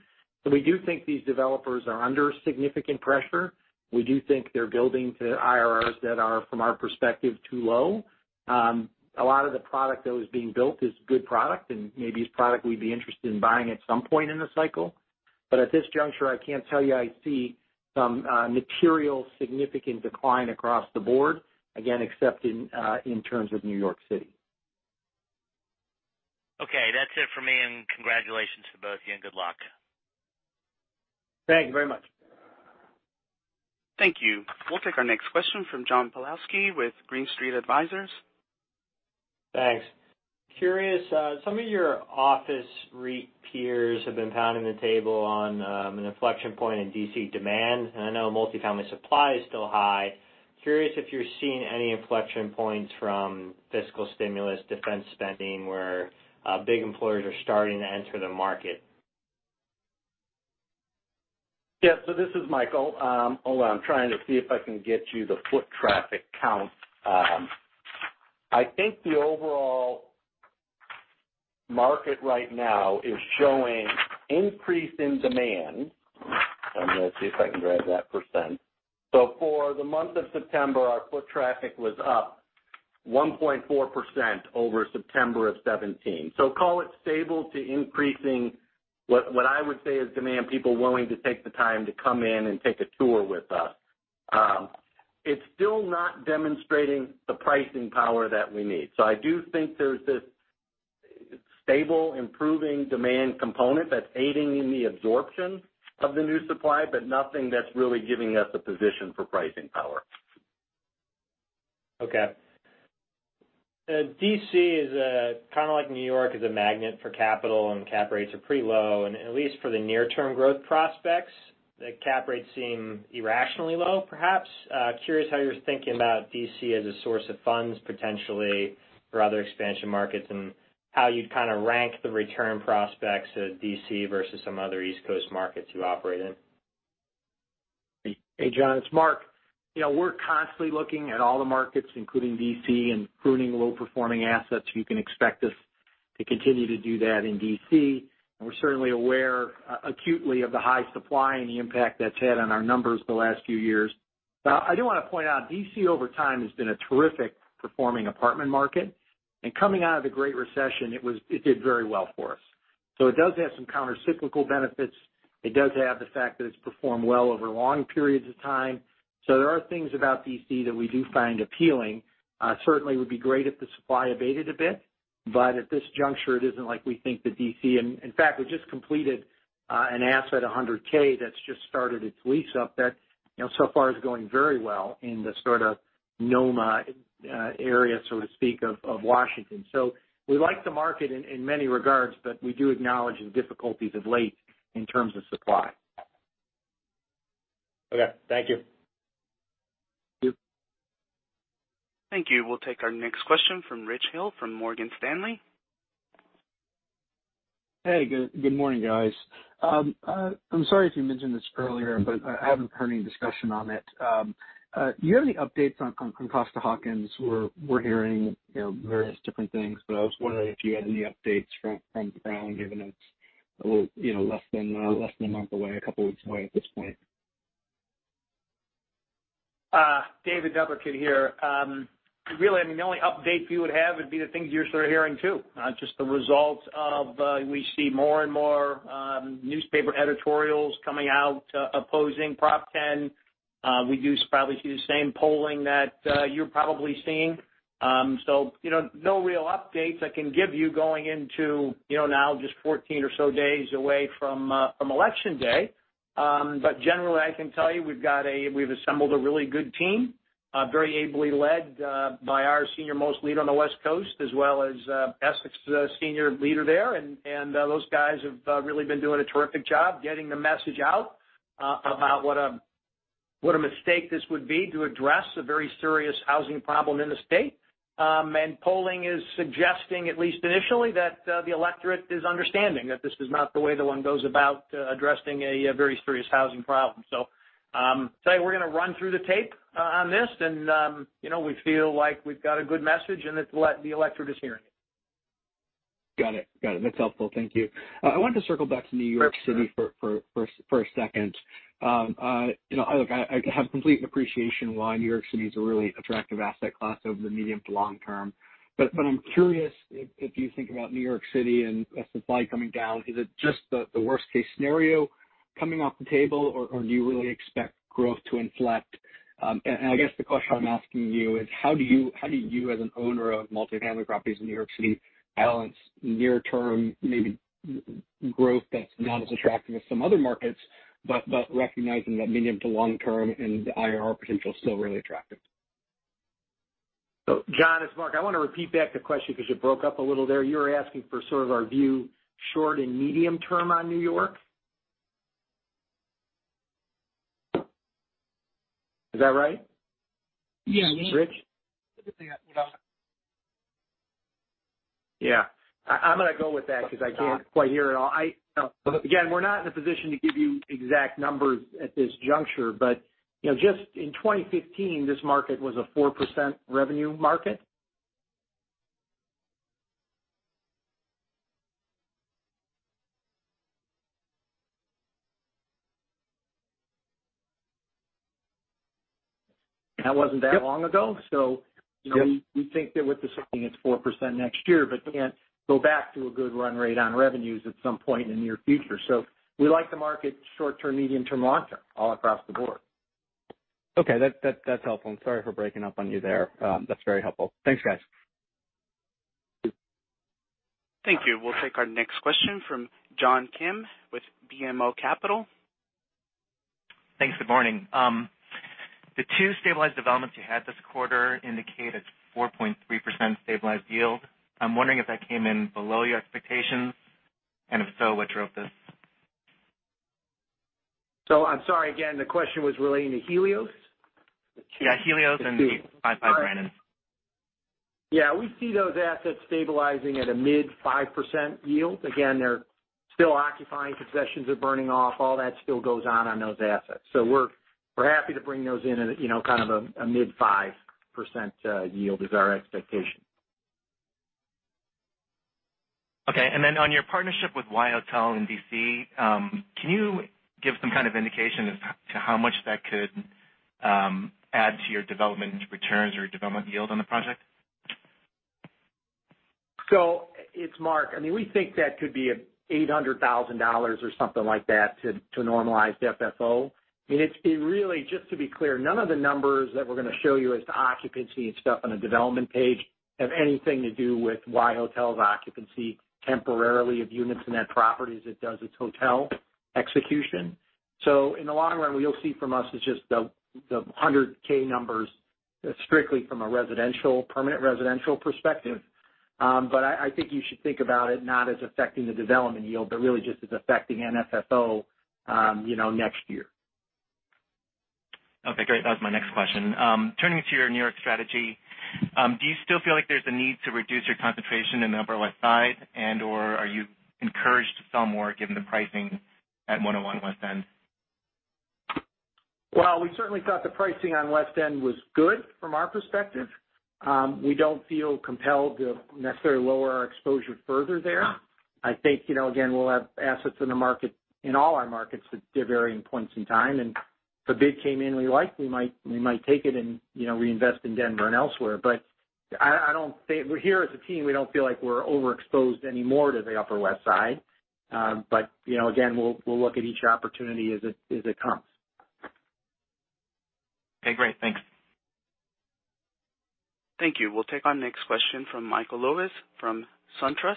We do think these developers are under significant pressure. We do think they're building to IRRs that are, from our perspective, too low. A lot of the product that was being built is good product, maybe is product we'd be interested in buying at some point in the cycle. At this juncture, I can't tell you I see some material significant decline across the board, again, except in terms of New York City. That's it for me, congratulations to both of you, good luck. Thank you very much. Thank you. We'll take our next question from John Pawlowski with Green Street Advisors. Thanks. Curious, some of your office REIT peers have been pounding the table on an inflection point in D.C. demand, I know multifamily supply is still high. Curious if you're seeing any inflection points from fiscal stimulus, defense spending, where big employers are starting to enter the market. This is Michael. Hold on. I'm trying to see if I can get you the foot traffic count. I think the overall market right now is showing increase in demand. I'm going to see if I can grab that percent. For the month of September, our foot traffic was up 1.4% over September of 2017. Call it stable to increasing what I would say is demand, people willing to take the time to come in and take a tour with us. It's still not demonstrating the pricing power that we need. I do think there's this stable, improving demand component that's aiding in the absorption of the new supply, but nothing that's really giving us a position for pricing power. D.C. is kind of like N.Y., is a magnet for capital, cap rates are pretty low, at least for the near-term growth prospects, the cap rates seem irrationally low, perhaps. Curious how you're thinking about D.C. as a source of funds, potentially, for other expansion markets, how you'd kind of rank the return prospects of D.C. versus some other East Coast markets you operate in. Hey, John, it's Mark. We're constantly looking at all the markets, including D.C., pruning low-performing assets. You can expect us to continue to do that in D.C. We're certainly aware acutely of the high supply and the impact that's had on our numbers the last few years. I do want to point out, D.C. over time has been a terrific performing apartment market, coming out of the Great Recession, it did very well for us. It does have some countercyclical benefits. It does have the fact that it's performed well over long periods of time. There are things about D.C. that we do find appealing. Certainly would be great if the supply abated a bit, at this juncture, it isn't like we think that D.C. In fact, we just completed an asset, 100K Apartments, that's just started its lease up that so far is going very well in the sort of NoMa area, so to speak, of Washington, D.C. We like the market in many regards, we do acknowledge the difficulties of late in terms of supply. Okay. Thank you. Thank you. Thank you. We'll take our next question from Richard Hill from Morgan Stanley. Hey. Good morning, guys. I'm sorry if you mentioned this earlier, but I haven't heard any discussion on it. Do you have any updates on Costa-Hawkins? We're hearing various different things, but I was wondering if you had any updates from the ground, given it's a little less than a month away, a couple of weeks away at this point. David Neithercut here. Really, the only update we would have would be the things you're sort of hearing, too. Just the results of, we see more and more newspaper editorials coming out opposing Proposition 10. We do probably see the same polling that you're probably seeing. No real updates I can give you going into now just 14 or so days away from Election Day. Generally, I can tell you we've assembled a really good team very ably led by our senior-most lead on the West Coast, as well as Essex's senior leader there. Those guys have really been doing a terrific job getting the message out about what a mistake this would be to address a very serious housing problem in the state. Polling is suggesting, at least initially, that the electorate is understanding that this is not the way that one goes about addressing a very serious housing problem. We're going to run through the tape on this, and we feel like we've got a good message and that the electorate is hearing it. Got it. That's helpful. Thank you. I wanted to circle back to New York City for a second. Look, I have complete appreciation why New York City is a really attractive asset class over the medium to long term. I'm curious if you think about New York City and supply coming down, is it just the worst-case scenario coming off the table or do you really expect growth to inflect? I guess the question I'm asking you is how do you as an owner of multi-family properties in New York City balance near term, maybe growth that's not as attractive as some other markets, but recognizing that medium to long-term and IRR potential is still really attractive? John, it's Mark. I want to repeat back the question because it broke up a little there. You were asking for sort of our view, short and medium term on New York? Is that right? Yeah. Rich? Yeah. I'm going to go with that because I can't quite hear it all. Again, we're not in a position to give you exact numbers at this juncture. Just in 2015, this market was a 4% revenue market. That wasn't that long ago. Yes We think that with this opening, it's 4% next year, again, go back to a good run rate on revenues at some point in the near future. We like the market short-term, medium-term, long-term, all across the board. Okay. That's helpful. I'm sorry for breaking up on you there. That's very helpful. Thanks, guys. Thank you. We'll take our next question from John Kim with BMO Capital. Thanks. Good morning. The two stabilized developments you had this quarter indicate a 4.3% stabilized yield. I'm wondering if that came in below your expectations, and if so, what drove this? I'm sorry. Again, the question was relating to Helios? Yeah, Helios and the Five Five Brandon. Yeah. We see those assets stabilizing at a mid 5% yield. Again, they're still occupying, possessions are burning off. All that still goes on on those assets. We're happy to bring those in at kind of a mid 5% yield is our expectation. Okay. On your partnership with WhyHotel in D.C., can you give some kind of indication as to how much that could add to your development returns or your development yield on the project? It's Mark. We think that could be $800,000 or something like that to normalized FFO. It really, just to be clear, none of the numbers that we're going to show you as to occupancy and stuff on the development page have anything to do with WhyHotel's occupancy temporarily of units in that property as it does its hotel execution. In the long run, what you'll see from us is just the 100K numbers strictly from a permanent residential perspective. I think you should think about it not as affecting the development yield, but really just as affecting an FFO next year. Okay, great. That was my next question. Turning to your New York strategy, do you still feel like there's a need to reduce your concentration in the Upper West Side and/or are you encouraged to sell more given the pricing at 101 West End? Well, we certainly thought the pricing on West End was good from our perspective. We don't feel compelled to necessarily lower our exposure further there. I think, again, we'll have assets in all our markets at varying points in time. If a bid came in we like, we might take it and reinvest in Denver and elsewhere. Here as a team, we don't feel like we're overexposed anymore to the Upper West Side. Again, we'll look at each opportunity as it comes. Okay, great. Thanks. Thank you. We'll take our next question from Michael Lopez from SunTrust.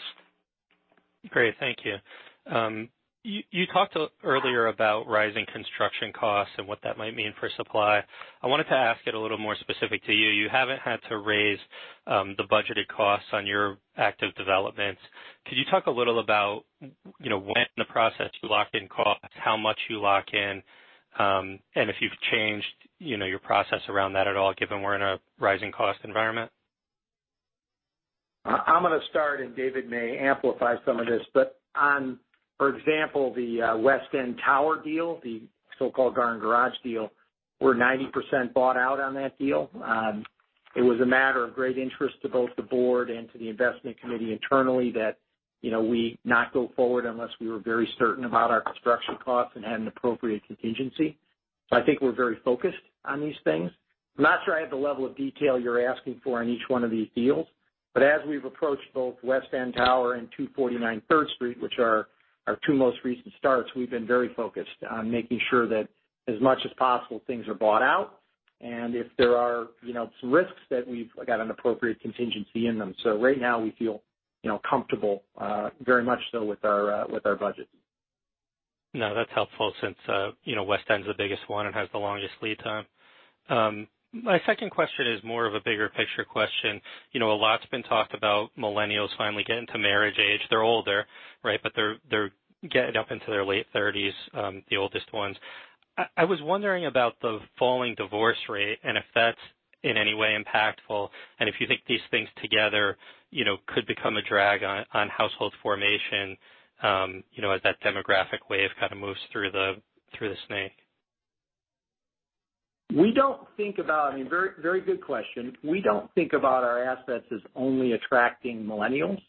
Great. Thank you. You talked earlier about rising construction costs and what that might mean for supply. I wanted to ask it a little more specific to you. You haven't had to raise the budgeted costs on your active developments. Could you talk a little about when in the process you lock in costs, how much you lock in? If you've changed your process around that at all, given we're in a rising cost environment? I'm going to start, David may amplify some of this. For example, the West End Tower deal, the so-called Garden Garage deal, we're 90% bought out on that deal. It was a matter of great interest to both the board and to the investment committee internally that we not go forward unless we were very certain about our construction costs and had an appropriate contingency. I think we're very focused on these things. I'm not sure I have the level of detail you're asking for on each one of these deals. As we've approached both West End Tower and 249 Third Street, which are our two most recent starts, we've been very focused on making sure that as much as possible, things are bought out, and if there are some risks, that we've got an appropriate contingency in them. Right now we feel comfortable, very much so with our budget. No, that's helpful since West End's the biggest one and has the longest lead time. My second question is more of a bigger picture question. A lot's been talked about Millennials finally getting to marriage age. They're older, right? They're getting up into their late 30s, the oldest ones. I was wondering about the falling divorce rate and if that's in any way impactful, and if you think these things together could become a drag on household formation as that demographic wave kind of moves through the snake. Very good question. We don't think about our assets as only attracting Millennials.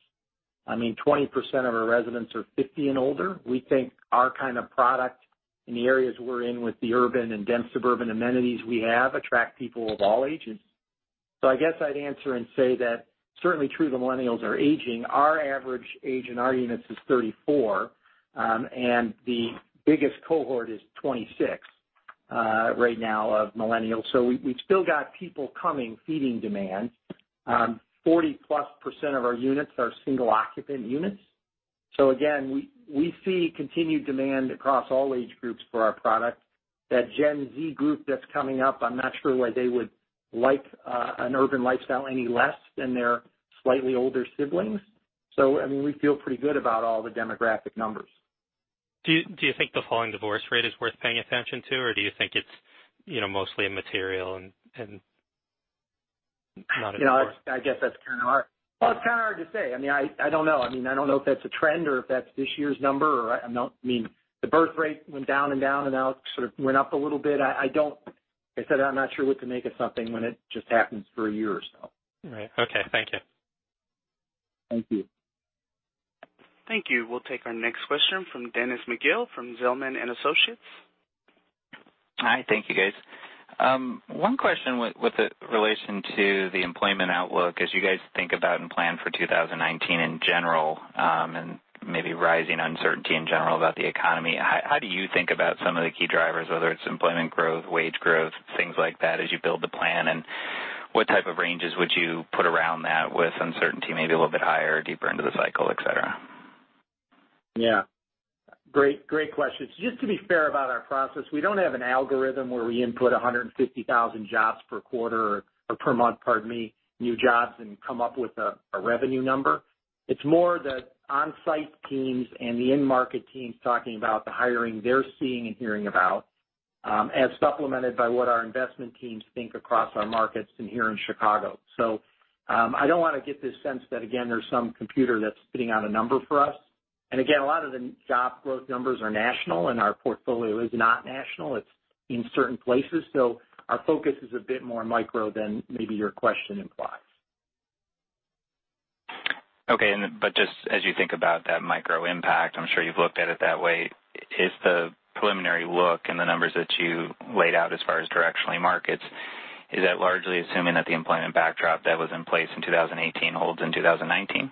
20% of our residents are 50 and older. We think our kind of product in the areas we're in with the urban and dense suburban amenities we have attract people of all ages. I guess I'd answer and say that certainly true, the Millennials are aging. Our average age in our units is 34, and the biggest cohort is 26 right now of Millennials. We've still got people coming, feeding demand. 40%+ of our units are single-occupant units. Again, we see continued demand across all age groups for our product. That Gen Z group that's coming up, I'm not sure why they would like an urban lifestyle any less than their slightly older siblings. I mean, we feel pretty good about all the demographic numbers. Do you think the falling divorce rate is worth paying attention to, or do you think it's mostly immaterial and not important? I guess that's kind of hard. Well, it's kind of hard to say. I mean, I don't know if that's a trend or if that's this year's number or I mean, the birth rate went down and down and now it sort of went up a little bit. I said I'm not sure what to make of something when it just happens for a year or so. Right. Okay. Thank you. Thank you. Thank you. We'll take our next question from Dennis McGill from Zelman & Associates. Hi. Thank you, guys. One question with the relation to the employment outlook as you guys think about and plan for 2019 in general, and maybe rising uncertainty in general about the economy, how do you think about some of the key drivers, whether it's employment growth, wage growth, things like that, as you build the plan, and what type of ranges would you put around that with uncertainty, maybe a little bit higher or deeper into the cycle, et cetera? Yeah. Great question. Just to be fair about our process, we don't have an algorithm where we input 150,000 jobs per quarter or per month, pardon me, new jobs, and come up with a revenue number. It's more the on-site teams and the in-market teams talking about the hiring they're seeing and hearing about, as supplemented by what our investment teams think across our markets and here in Chicago. I don't want to get this sense that, again, there's some computer that's spitting out a number for us. Again, a lot of the job growth numbers are national, and our portfolio is not national, it's in certain places. Our focus is a bit more micro than maybe your question implies. Okay. Just as you think about that micro impact, I'm sure you've looked at it that way, is the preliminary look and the numbers that you laid out as far as directionally markets, is that largely assuming that the employment backdrop that was in place in 2018 holds in 2019?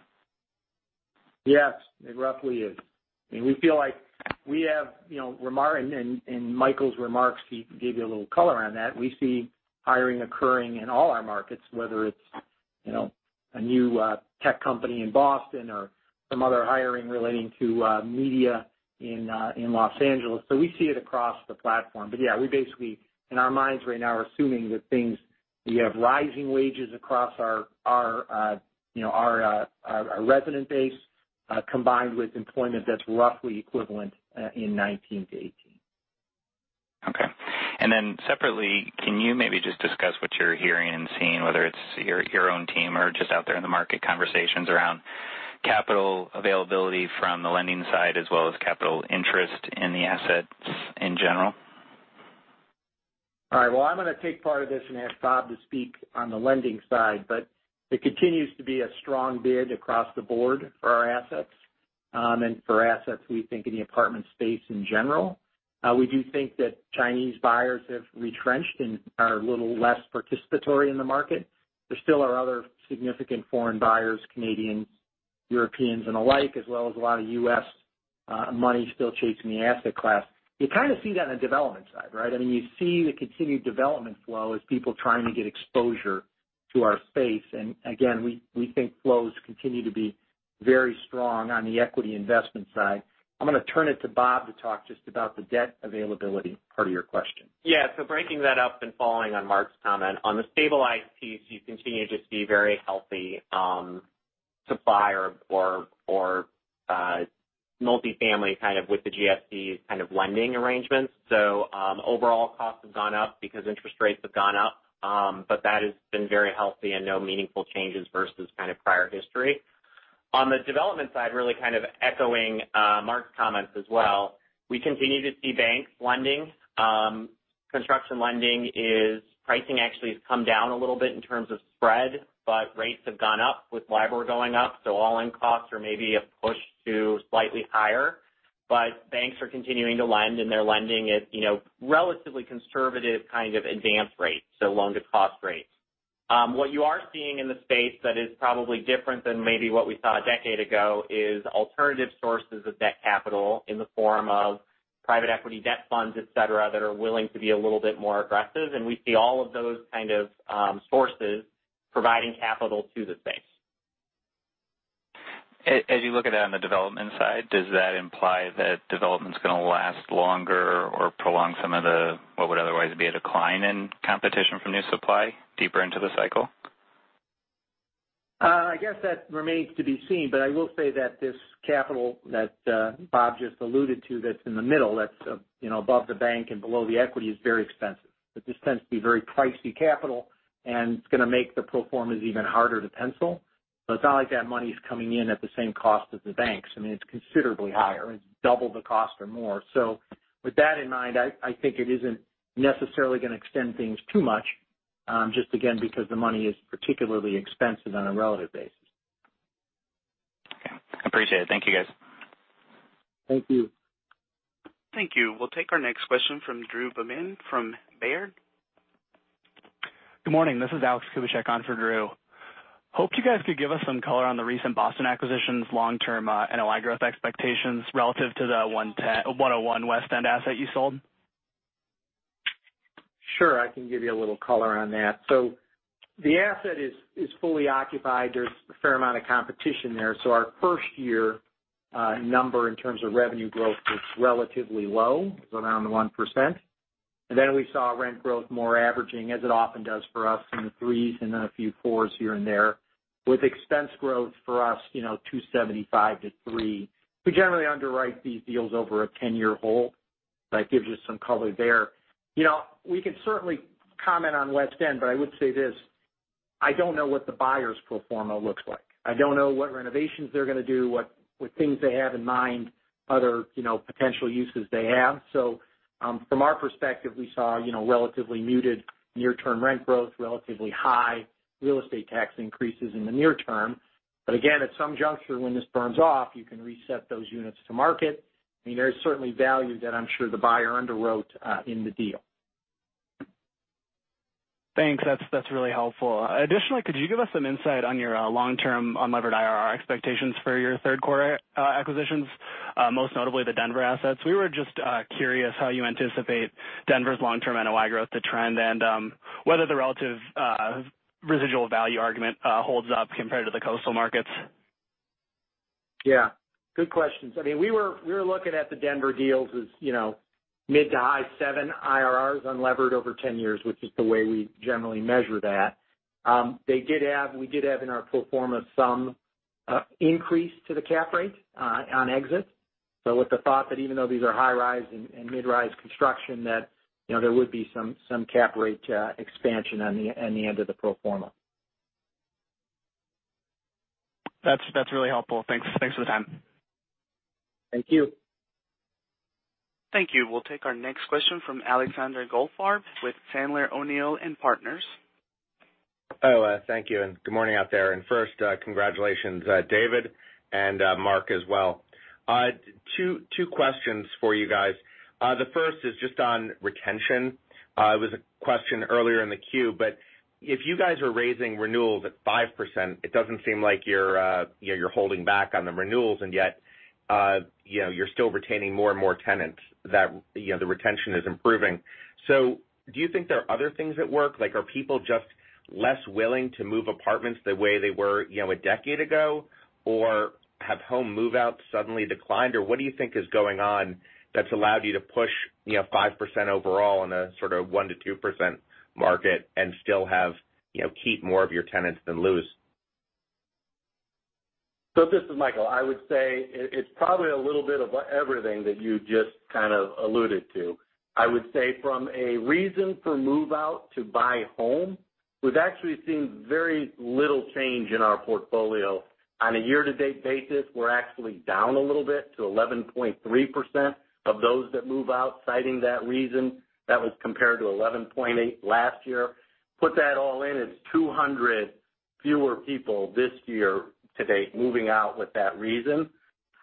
Yes, it roughly is. I mean, we feel like In Michael's remarks, he gave you a little color on that. We see hiring occurring in all our markets, whether it's a new tech company in Boston or some other hiring relating to media in Los Angeles. We see it across the platform. Yeah, we basically, in our minds right now, are assuming that things, we have rising wages across our resident base, combined with employment that's roughly equivalent in 2019 to 2018. Okay. Separately, can you maybe just discuss what you're hearing and seeing, whether it's your own team or just out there in the market, conversations around capital availability from the lending side as well as capital interest in the assets in general? All right. Well, I'm going to take part of this and ask Bob to speak on the lending side, but it continues to be a strong bid across the board for our assets, and for assets, we think in the apartment space in general. We do think that Chinese buyers have retrenched and are a little less participatory in the market. There still are other significant foreign buyers, Canadians, Europeans, and the like, as well as a lot of U.S. money still chasing the asset class. You kind of see it on the development side, right? I mean, you see the continued development flow as people trying to get exposure to our space. Again, we think flows continue to be very strong on the equity investment side. I'm going to turn it to Bob to talk just about the debt availability part of your question. Yeah. Breaking that up and following on Mark's comment, on the stabilized piece, you continue to see very healthy supply or multifamily kind of with the GSE kind of lending arrangements. Overall costs have gone up because interest rates have gone up. That has been very healthy and no meaningful changes versus kind of prior history. On the development side, really kind of echoing Mark's comments as well, we continue to see banks lending. Construction lending is Pricing actually has come down a little bit in terms of spread, but rates have gone up with LIBOR going up. All-in costs are maybe a push to slightly higher. Banks are continuing to lend, and they're lending at relatively conservative kind of advance rates, so loan to cost rates. What you are seeing in the space that is probably different than maybe what we saw a decade ago is alternative sources of debt capital in the form of private equity debt funds, et cetera, that are willing to be a little bit more aggressive. We see all of those kind of sources providing capital to the space. As you look at that on the development side, does that imply that development's going to last longer or prolong some of the, what would otherwise be a decline in competition from new supply deeper into the cycle? I guess that remains to be seen, but I will say that this capital that Bob just alluded to that's in the middle, that's above the bank and below the equity, is very expensive. This tends to be very pricey capital, and it's going to make the pro formas even harder to pencil. It's not like that money's coming in at the same cost as the banks. I mean, it's considerably higher. It's double the cost or more. With that in mind, I think it isn't necessarily going to extend things too much, just again, because the money is particularly expensive on a relative basis. Appreciate it. Thank you, guys. Thank you. Thank you. We'll take our next question from Drew Babin from Baird. Good morning. This is Alex Kubicek on for Drew. Hope you guys could give us some color on the recent Boston acquisitions long-term NOI growth expectations relative to the 101 West End asset you sold. Sure, I can give you a little color on that. The asset is fully occupied. There's a fair amount of competition there. Our first-year number in terms of revenue growth was relatively low, it was around 1%. Then we saw rent growth more averaging, as it often does for us, in the 3s and then a few 4s here and there, with expense growth for us 275 to 3. We generally underwrite these deals over a 10-year hold. That gives you some color there. We can certainly comment on West End, I would say this, I don't know what the buyer's pro forma looks like. I don't know what renovations they're going to do, what things they have in mind, other potential uses they have. From our perspective, we saw relatively muted near-term rent growth, relatively high real estate tax increases in the near term. Again, at some juncture when this burns off, you can reset those units to market. There's certainly value that I'm sure the buyer underwrote in the deal. Thanks. That's really helpful. Additionally, could you give us some insight on your long-term unlevered IRR expectations for your third quarter acquisitions, most notably the Denver assets? We were just curious how you anticipate Denver's long-term NOI growth to trend and whether the relative residual value argument holds up compared to the coastal markets. Yeah. Good questions. We were looking at the Denver deals as mid to high seven IRRs unlevered over 10 years, which is the way we generally measure that. We did have in our pro forma some increase to the cap rate on exit. With the thought that even though these are high-rise and mid-rise construction, that there would be some cap rate expansion on the end of the pro forma. That's really helpful. Thanks for the time. Thank you. Thank you. We'll take our next question from Alexander Goldfarb with Sandler O'Neill & Partners. Thank you, and good morning out there. First, congratulations, David and Mark as well. Two questions for you guys. The first is just on retention. It was a question earlier in the queue, but if you guys are raising renewals at 5%, it doesn't seem like you're holding back on the renewals, and yet, you're still retaining more and more tenants that the retention is improving. Do you think there are other things at work? Like, are people just less willing to move apartments the way they were a decade ago? Or have home move-outs suddenly declined? Or what do you think is going on that's allowed you to push 5% overall in a sort of one to 2% market and still keep more of your tenants than lose? This is Michael. I would say it's probably a little bit of everything that you just kind of alluded to. I would say from a reason for move out to buy home, we've actually seen very little change in our portfolio. On a year-to-date basis, we're actually down a little bit to 11.3% of those that move out, citing that reason. That was compared to 11.8 last year. Put that all in, it's 200 fewer people this year to date, moving out with that reason.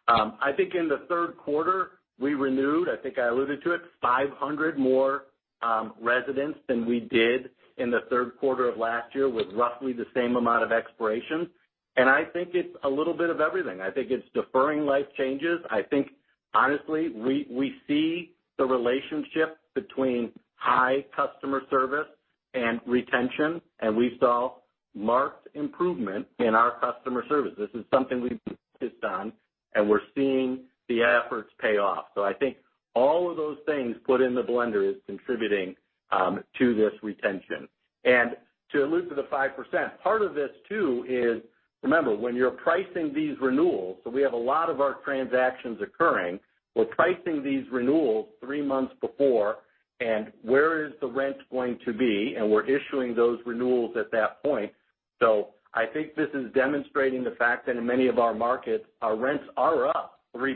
I think in the third quarter, we renewed, I think I alluded to it, 500 more residents than we did in the third quarter of last year with roughly the same amount of expirations. I think it's a little bit of everything. I think it's deferring life changes. I think honestly, we see the relationship between high customer service and retention, and we saw marked improvement in our customer service. This is something we've focused on, and we're seeing the efforts pay off. I think all of those things put in the blender is contributing to this retention. To allude to the 5%, part of this too is remember, when you're pricing these renewals, we have a lot of our transactions occurring. We're pricing these renewals three months before, and where is the rent going to be, and we're issuing those renewals at that point. I think this is demonstrating the fact that in many of our markets, our rents are up 3%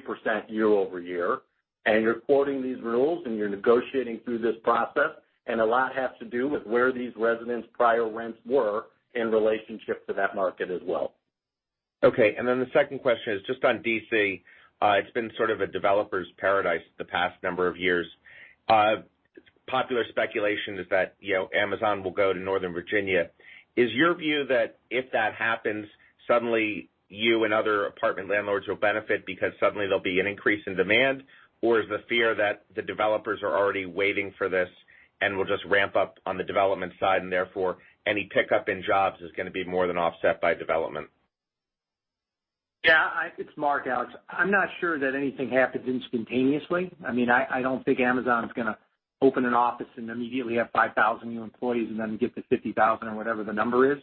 year-over-year, and you're quoting these rules, and you're negotiating through this process, and a lot has to do with where these residents' prior rents were in relationship to that market as well. The second question is just on D.C. It's been sort of a developer's paradise the past number of years. Popular speculation is that Amazon will go to Northern Virginia. Is your view that if that happens, suddenly you and other apartment landlords will benefit because suddenly there'll be an increase in demand? Or is the fear that the developers are already waiting for this and will just ramp up on the development side, and therefore any pickup in jobs is going to be more than offset by development? It's Mark, Alex. I'm not sure that anything happens instantaneously. I don't think Amazon's going to open an office and immediately have 5,000 new employees and then get to 50,000 or whatever the number is.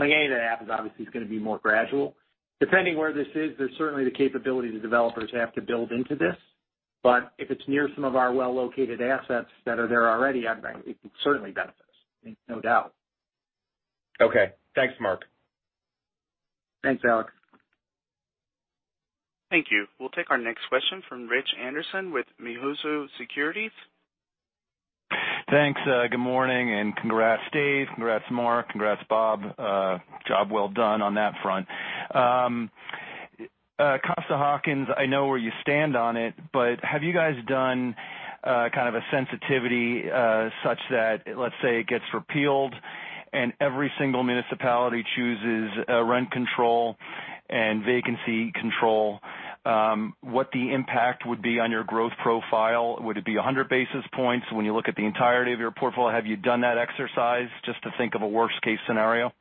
Any of that happens, obviously, is going to be more gradual. Depending where this is, there's certainly the capability the developers have to build into this. If it's near some of our well-located assets that are there already, it certainly benefits, no doubt. Thanks, Mark. Thanks, Alex. Thank you. We'll take our next question from Richard Anderson with Mizuho Securities. Thanks. Good morning, congrats Dave, congrats Mark, congrats Bob. Job well done on that front. Costa-Hawkins, I know where you stand on it, but have you guys done kind of a sensitivity such that, let's say, it gets repealed and every single municipality chooses rent control and vacancy control, what the impact would be on your growth profile? Would it be 100 basis points when you look at the entirety of your portfolio? Have you done that exercise just to think of a worst-case scenario?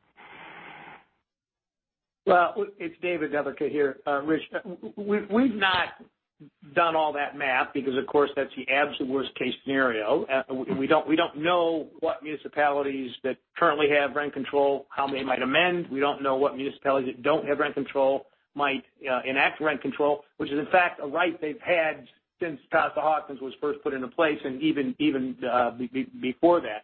Well, it's David Neithercut here. Rich, we've not done all that math because, of course, that's the absolute worst-case scenario. We don't know what municipalities that currently have rent control, how many might amend. We don't know what municipalities that don't have rent control might enact rent control, which is in fact a right they've had since Costa-Hawkins was first put into place and even before that.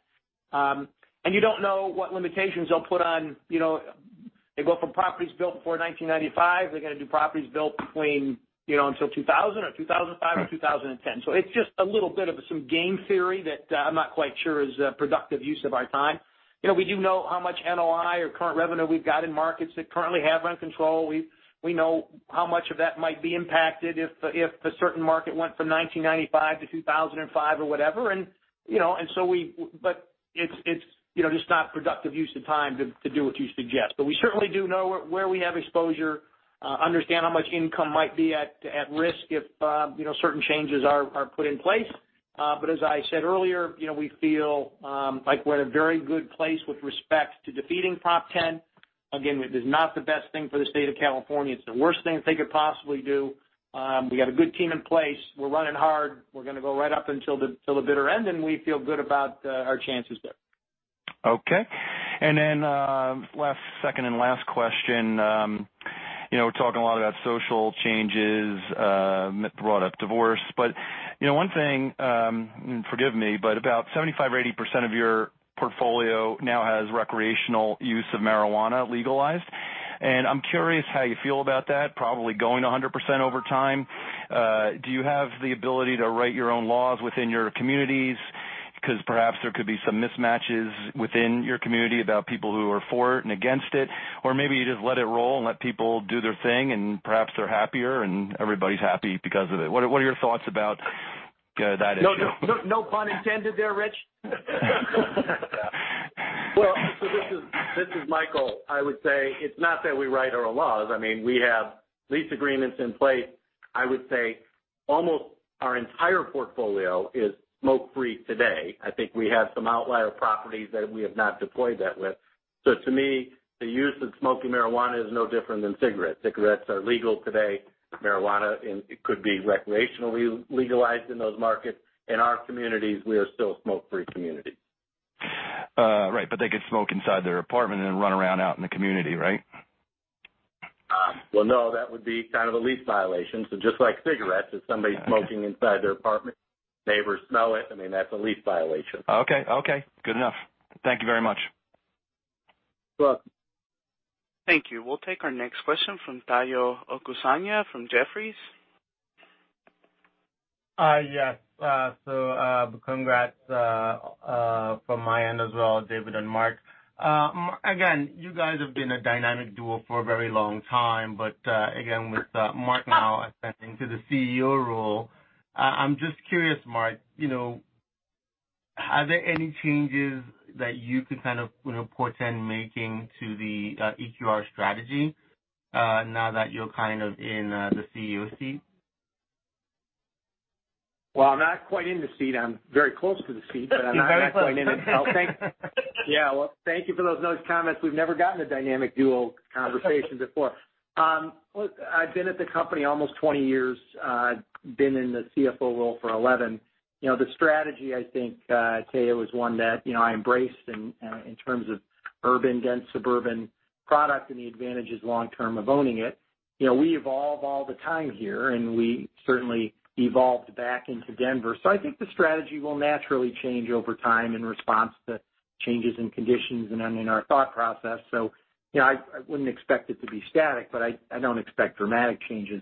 You don't know what limitations they'll put on. They go from properties built before 1995, they're going to do properties built between 2000 or 2005 or 2010. It's just a little bit of some game theory that I'm not quite sure is a productive use of our time. We do know how much NOI or current revenue we've got in markets that currently have rent control. We know how much of that might be impacted if a certain market went from 1995 to 2005 or whatever. It's just not productive use of time to do what you suggest. We certainly do know where we have exposure, understand how much income might be at risk if certain changes are put in place. As I said earlier, we feel like we're in a very good place with respect to defeating Prop 10. Again, it is not the best thing for the state of California. It's the worst thing that they could possibly do. We got a good team in place. We're running hard. We're going to go right up until the bitter end, and we feel good about our chances there. Okay. Second and last question. We're talking a lot about social changes. Mike brought up divorce. One thing, forgive me, but about 75% or 80% of your portfolio now has recreational use of marijuana legalized, and I'm curious how you feel about that, probably going 100% over time. Do you have the ability to write your own laws within your communities? Because perhaps there could be some mismatches within your community about people who are for it and against it, or maybe you just let it roll and let people do their thing, and perhaps they're happier, and everybody's happy because of it. What are your thoughts about that issue? No pun intended there, Rich. This is Michael. I would say it's not that we write our own laws. We have lease agreements in place. I would say almost our entire portfolio is smoke-free today. I think we have some outlier properties that we have not deployed that with. To me, the use of smoking marijuana is no different than cigarettes. Cigarettes are legal today. Marijuana could be recreationally legalized in those markets. In our communities, we are still a smoke-free community. Right. They could smoke inside their apartment and then run around out in the community, right? Well, no, that would be kind of a lease violation. Just like cigarettes, if somebody's smoking inside their apartment, neighbors smell it, that's a lease violation. Okay. Good enough. Thank you very much. Sure. Thank you. We'll take our next question from Omotayo Okusanya from Jefferies. Yes. Congrats from my end as well, David and Mark. You guys have been a dynamic duo for a very long time, again, with Mark now ascending to the CEO role, I'm just curious, Mark, are there any changes that you could portend making to the EQR strategy now that you're kind of in the CEO seat? I'm not quite in the seat. I'm very close to the seat, I'm not quite in it. You're very close. Thank you for those nice comments. We've never gotten a dynamic duo conversation before. I've been at the company almost 20 years. Been in the CFO role for 11. The strategy, I think, Tayo, is one that I embraced in terms of urban, dense suburban product and the advantages long-term of owning it. We evolve all the time here, and we certainly evolved back into Denver. I think the strategy will naturally change over time in response to changes in conditions and in our thought process. I wouldn't expect it to be static, I don't expect dramatic changes,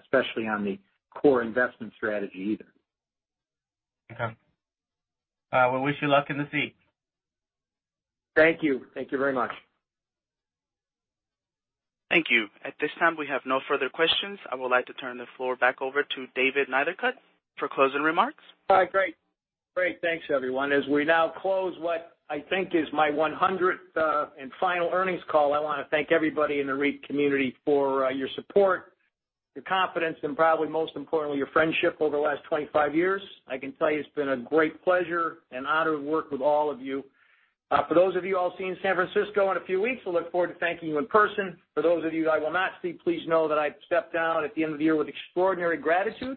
especially on the core investment strategy either. Okay. We'll wish you luck in the seat. Thank you. Thank you very much. Thank you. At this time, we have no further questions. I would like to turn the floor back over to David Neithercut for closing remarks. All right, great. Thanks everyone. As we now close what I think is my 100th and final earnings call, I want to thank everybody in the REIT community for your support, your confidence, and probably most importantly, your friendship over the last 25 years. I can tell you it's been a great pleasure and honor to work with all of you. For those of you I'll see in San Francisco in a few weeks, I look forward to thanking you in person. For those of you who I will not see, please know that I step down at the end of the year with extraordinary gratitude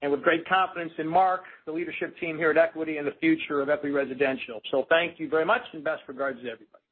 and with great confidence in Mark, the leadership team here at Equity, and the future of Equity Residential. Thank you very much and best regards to everybody. Thank you.